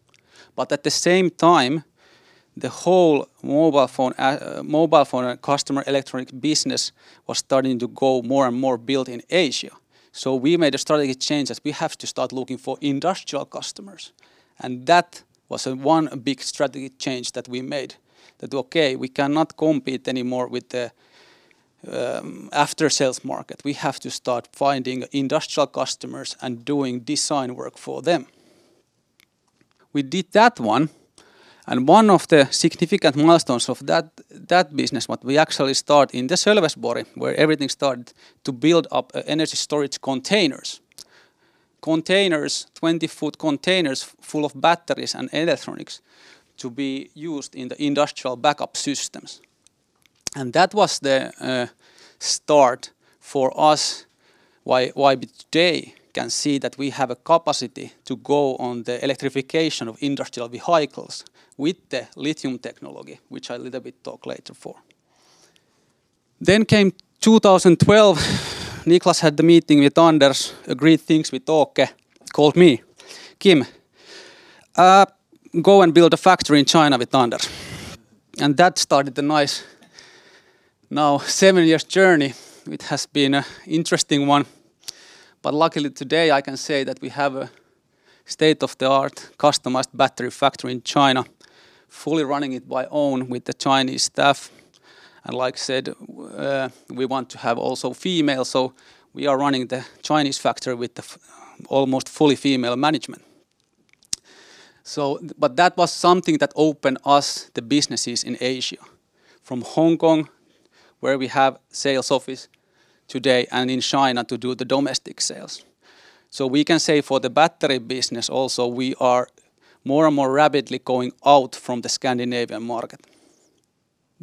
But at the same time, the whole mobile phone and customer electronic business was starting to go more and more built in Asia. So we made a strategic change that we have to start looking for industrial customers. And that was one big strategic change that we made that, okay, we cannot compete anymore with the aftersales market. We have to start finding industrial customers and doing design work for them. We did that one. And one of the significant milestones of that business, what we actually start in the service body, where everything started to build up energy storage containers. Containers, 20 foot containers full of batteries and electronics to be used in the industrial backup systems. And that was the start for us why we today can see that we have a capacity to go on the electrification of industrial vehicles with the lithium technology, which I'll let a bit talk later for. Then came 2012. Niklas had the meeting with Anders, agreed things with Okay, called me, Kim, go and build a factory in China with Anders. And that started a nice now 7 years journey. It has been an interesting one. But luckily today, I can say that we have a state of the art customized battery factory in China, fully running it by own with the Chinese staff. And like I said, we want to have also female. So we are running the Chinese factory with almost fully female management. So but that was something that opened us the businesses in Asia, from Hong Kong, where we have sales office today and in China to do the domestic sales. So we can say for the battery business also, we are more and more rapidly going out from the Scandinavian market.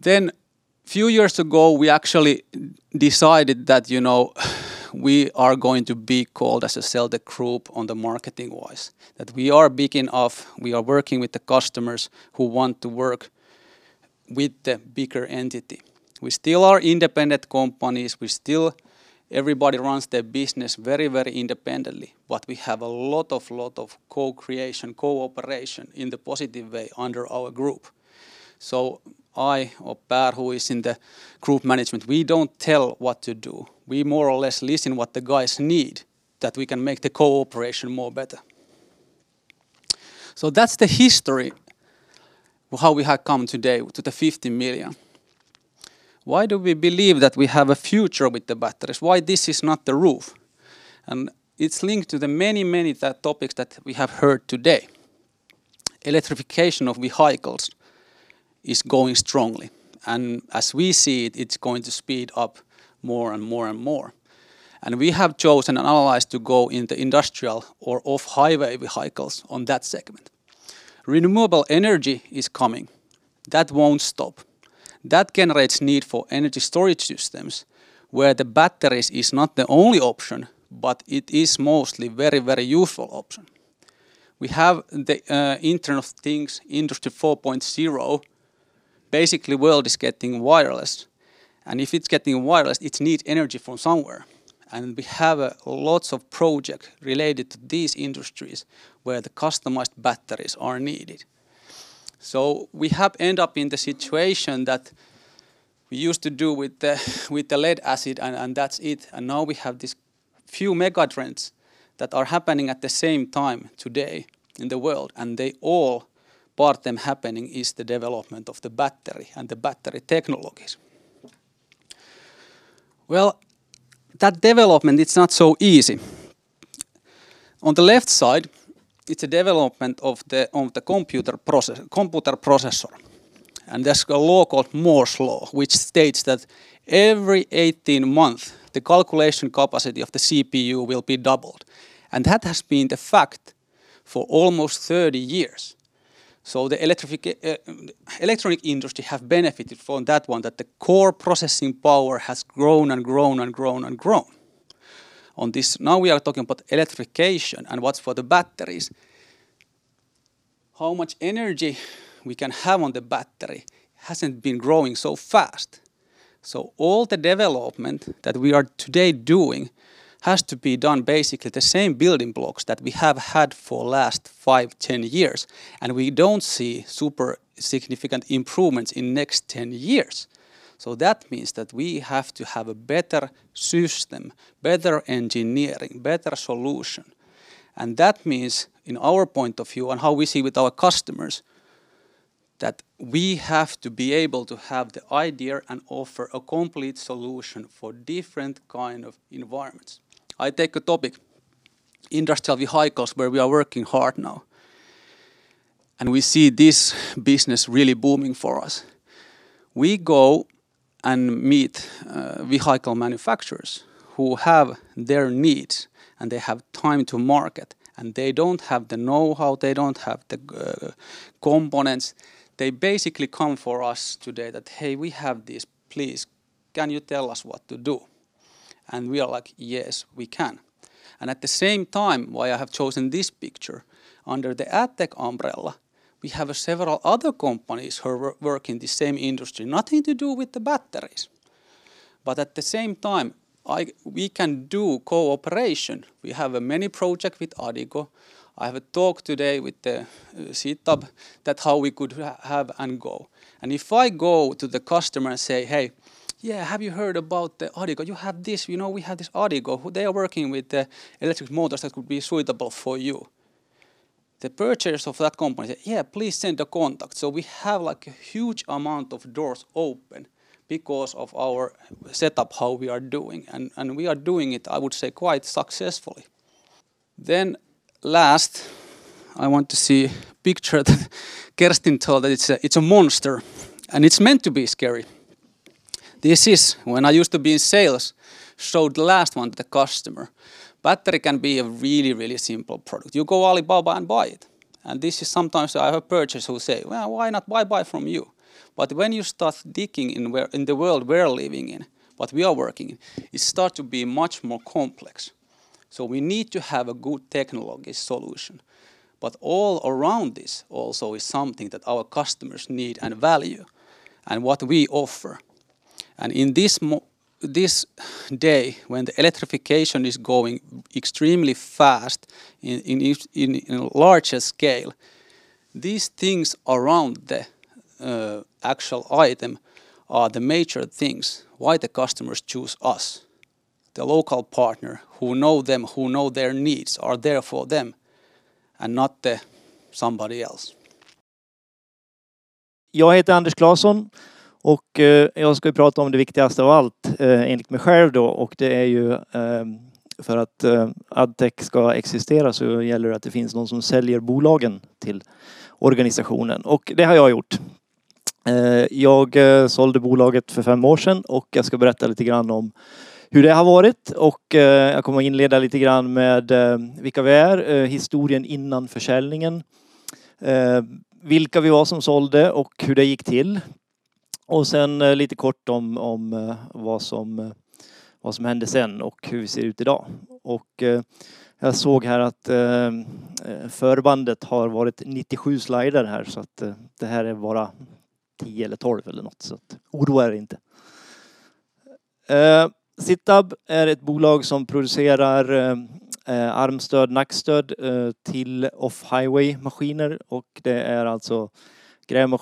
Then few years ago, we actually decided that we are going to be called as a sell the group on the marketing wise, that we are big enough. We are working with the customers who want to work with the bigger entity. We still are independent companies. We still everybody runs their business very, very independently, but we have a lot of, lot of co creation, cooperation in the positive way under our group. So I or Per, who is in the group management, we don't tell what to do. We more or less listen what the guys need that we can make the cooperation more better. So that's the history of how we have come today to the €50,000,000 Why do we believe that we have a future with the Why this is not the roof? And it's linked to the many, many topics that we have heard today. Electrification of vehicles is going strongly. And as we see it, it's going to speed up more and more and more. And we have chosen and analyzed to go in the industrial or off highway vehicles on that segment. Renewable energy is coming. That won't stop. That generates need for energy storage systems, where the batteries is not the only option, but it is mostly very, very useful option. We have the Internet of Things, Industry 4.0. Basically, world is getting wireless. And if it's getting wireless, it needs energy from somewhere. And we have lots of projects related to these industries where the customized batteries are needed. So we have end up in the situation that we used to do with the lead acid and that's it. And now we have this few megatrends that are happening at the same time today in the world, and they all part of them happening is the development of the battery and the battery technologies. Well, that development is not so easy. On the left side, it's a development of the computer processor. And that's a law called Moore's Law, which states that every 18 months, the calculation capacity of the CPU will be doubled. And that has been the fact for almost 30 years. So the electric industry have benefited from that one that core processing power has grown and grown and grown and grown. On this now we are talking about electrification and what's for the batteries. How much energy we can have on the battery hasn't been growing so fast. So all the development that we are today doing has to be done basically the same building blocks that we have had for last 5, 10 years. And we don't see super significant improvements in next 10 years. So that means that we have to have a better system, better engineering, better solution. And that means, in our point of view and how we see with our customers, that we have to be able to have the idea and offer a complete solution for different kind of environments. I take a topic, industrially high cost, where we are working hard now. And we see this business really booming for us. We go and meet vehicle manufacturers who have their needs and they have time to market and they don't have the know how, they don't have the components, They basically come for us today that, hey, we have this. Please, can you tell us what to do? And we are like, yes, we can. And at the same time, why I have chosen this picture, under the AdTech umbrella, we have several other companies who work in the same industry, nothing to do with the batteries. But at the same time, we can do cooperation. We have many projects with Adeco. I have a talk today with the CTAB that how we could have and go. And if I go to the customer and say, hey, yes, have you heard about the Arrigo? You have this we have this Arrigo. They are working with electric motors that could be suitable for you. The purchase of that company said, yes, please send a contact. So we have like a huge amount of doors open because of our setup how we are doing. And we are doing it, I would say, quite successfully. Then last, I want to see picture that Kerstin told that it's a monster and it's meant to be scary. This is when I used to be in sales, showed the last one to the customer, battery can be a really, really simple product. You go Alibaba and buy it. And this is sometimes I have a purchaser who say, well, why not buy from you? But when you start digging in the world we're living in, what we are working in, it starts to be much more complex. So we need to have a good technology solution. But all around this also is something that our customers need and value and what we offer. And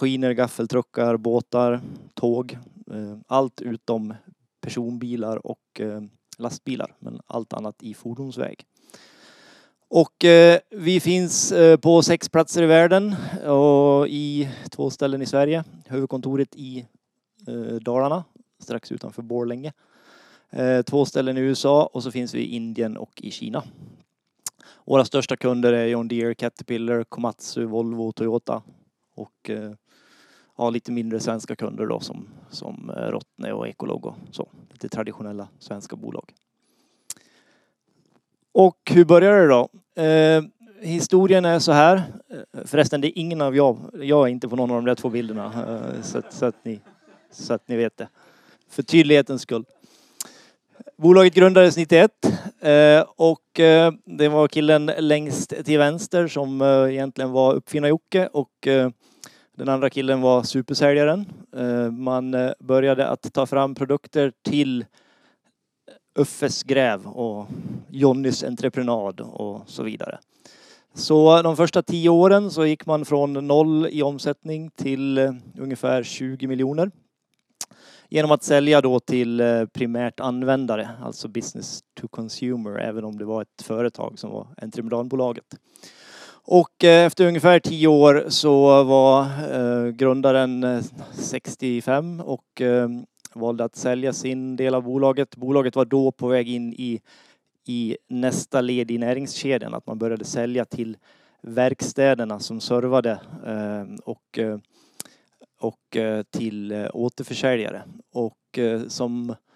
in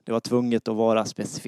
this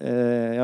day,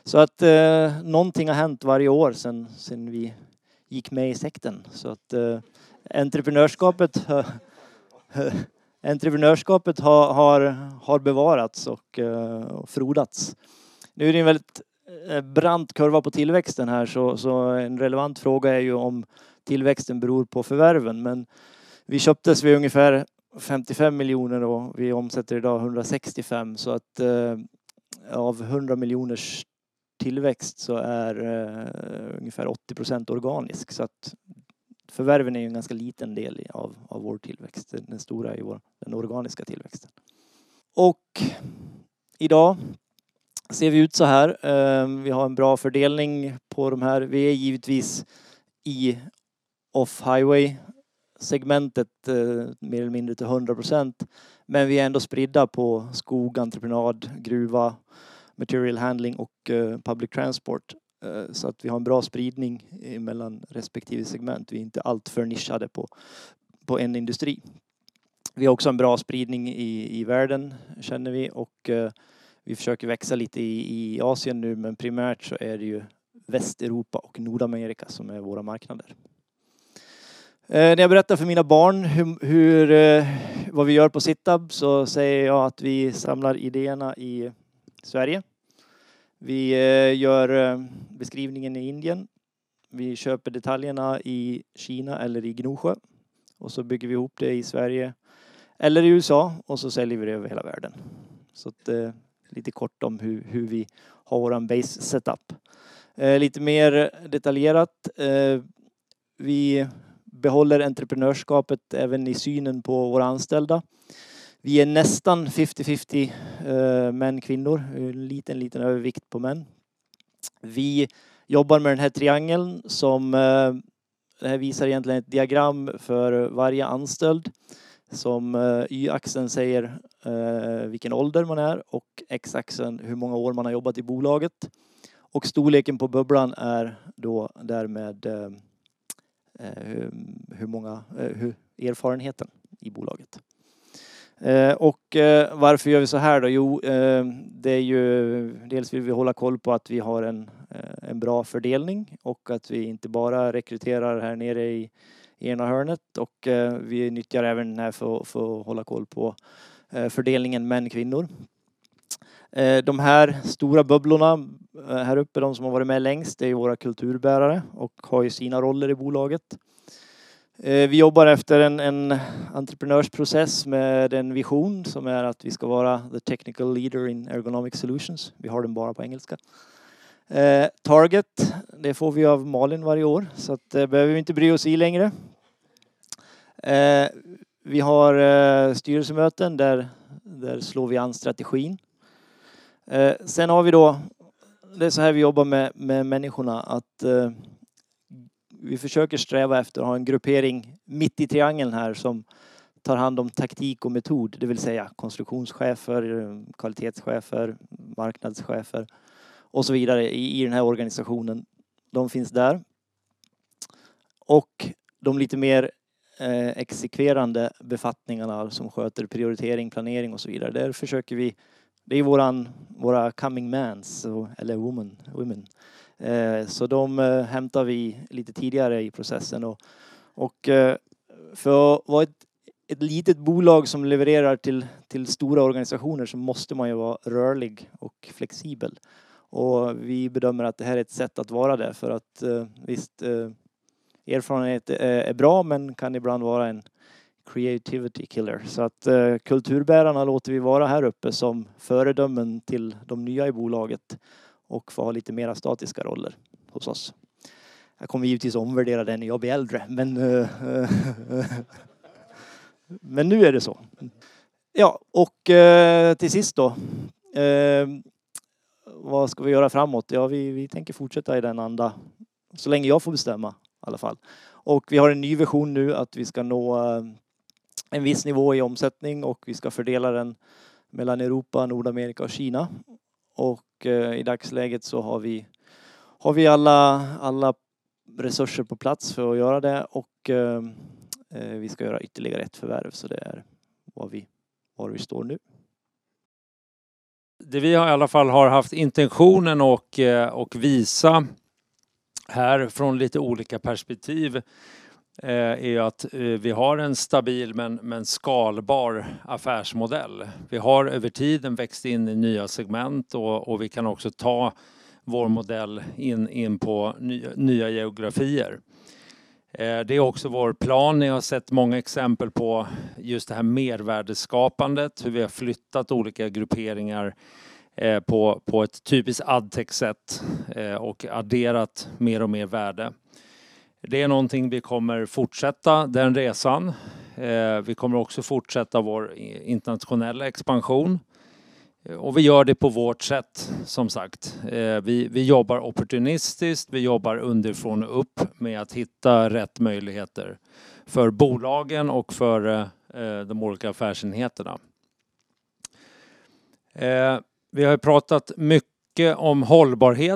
when the electrification is going extremely fast in larger scale, These things around the actual item are the major things why the customers choose us. The local partner who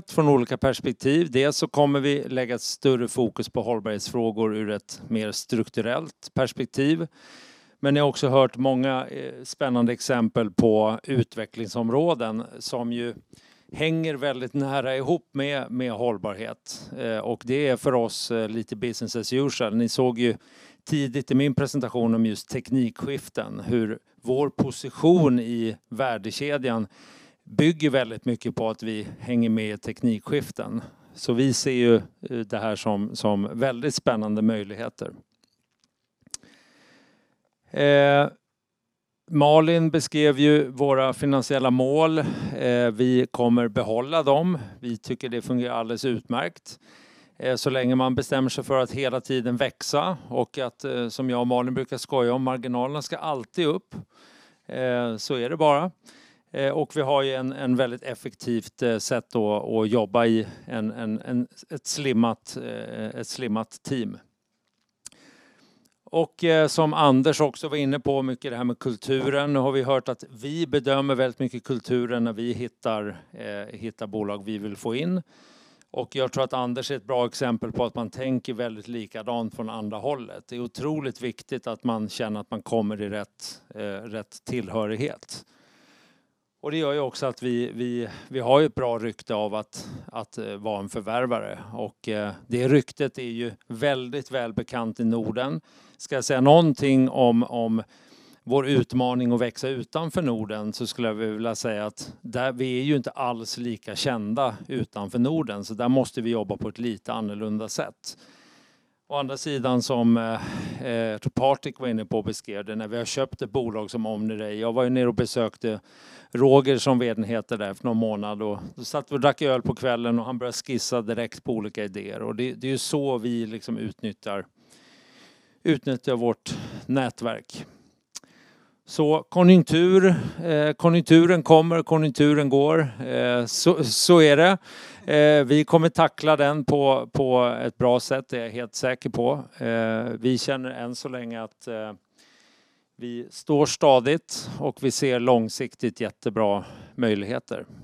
know them, who know their needs are there for them and not somebody else.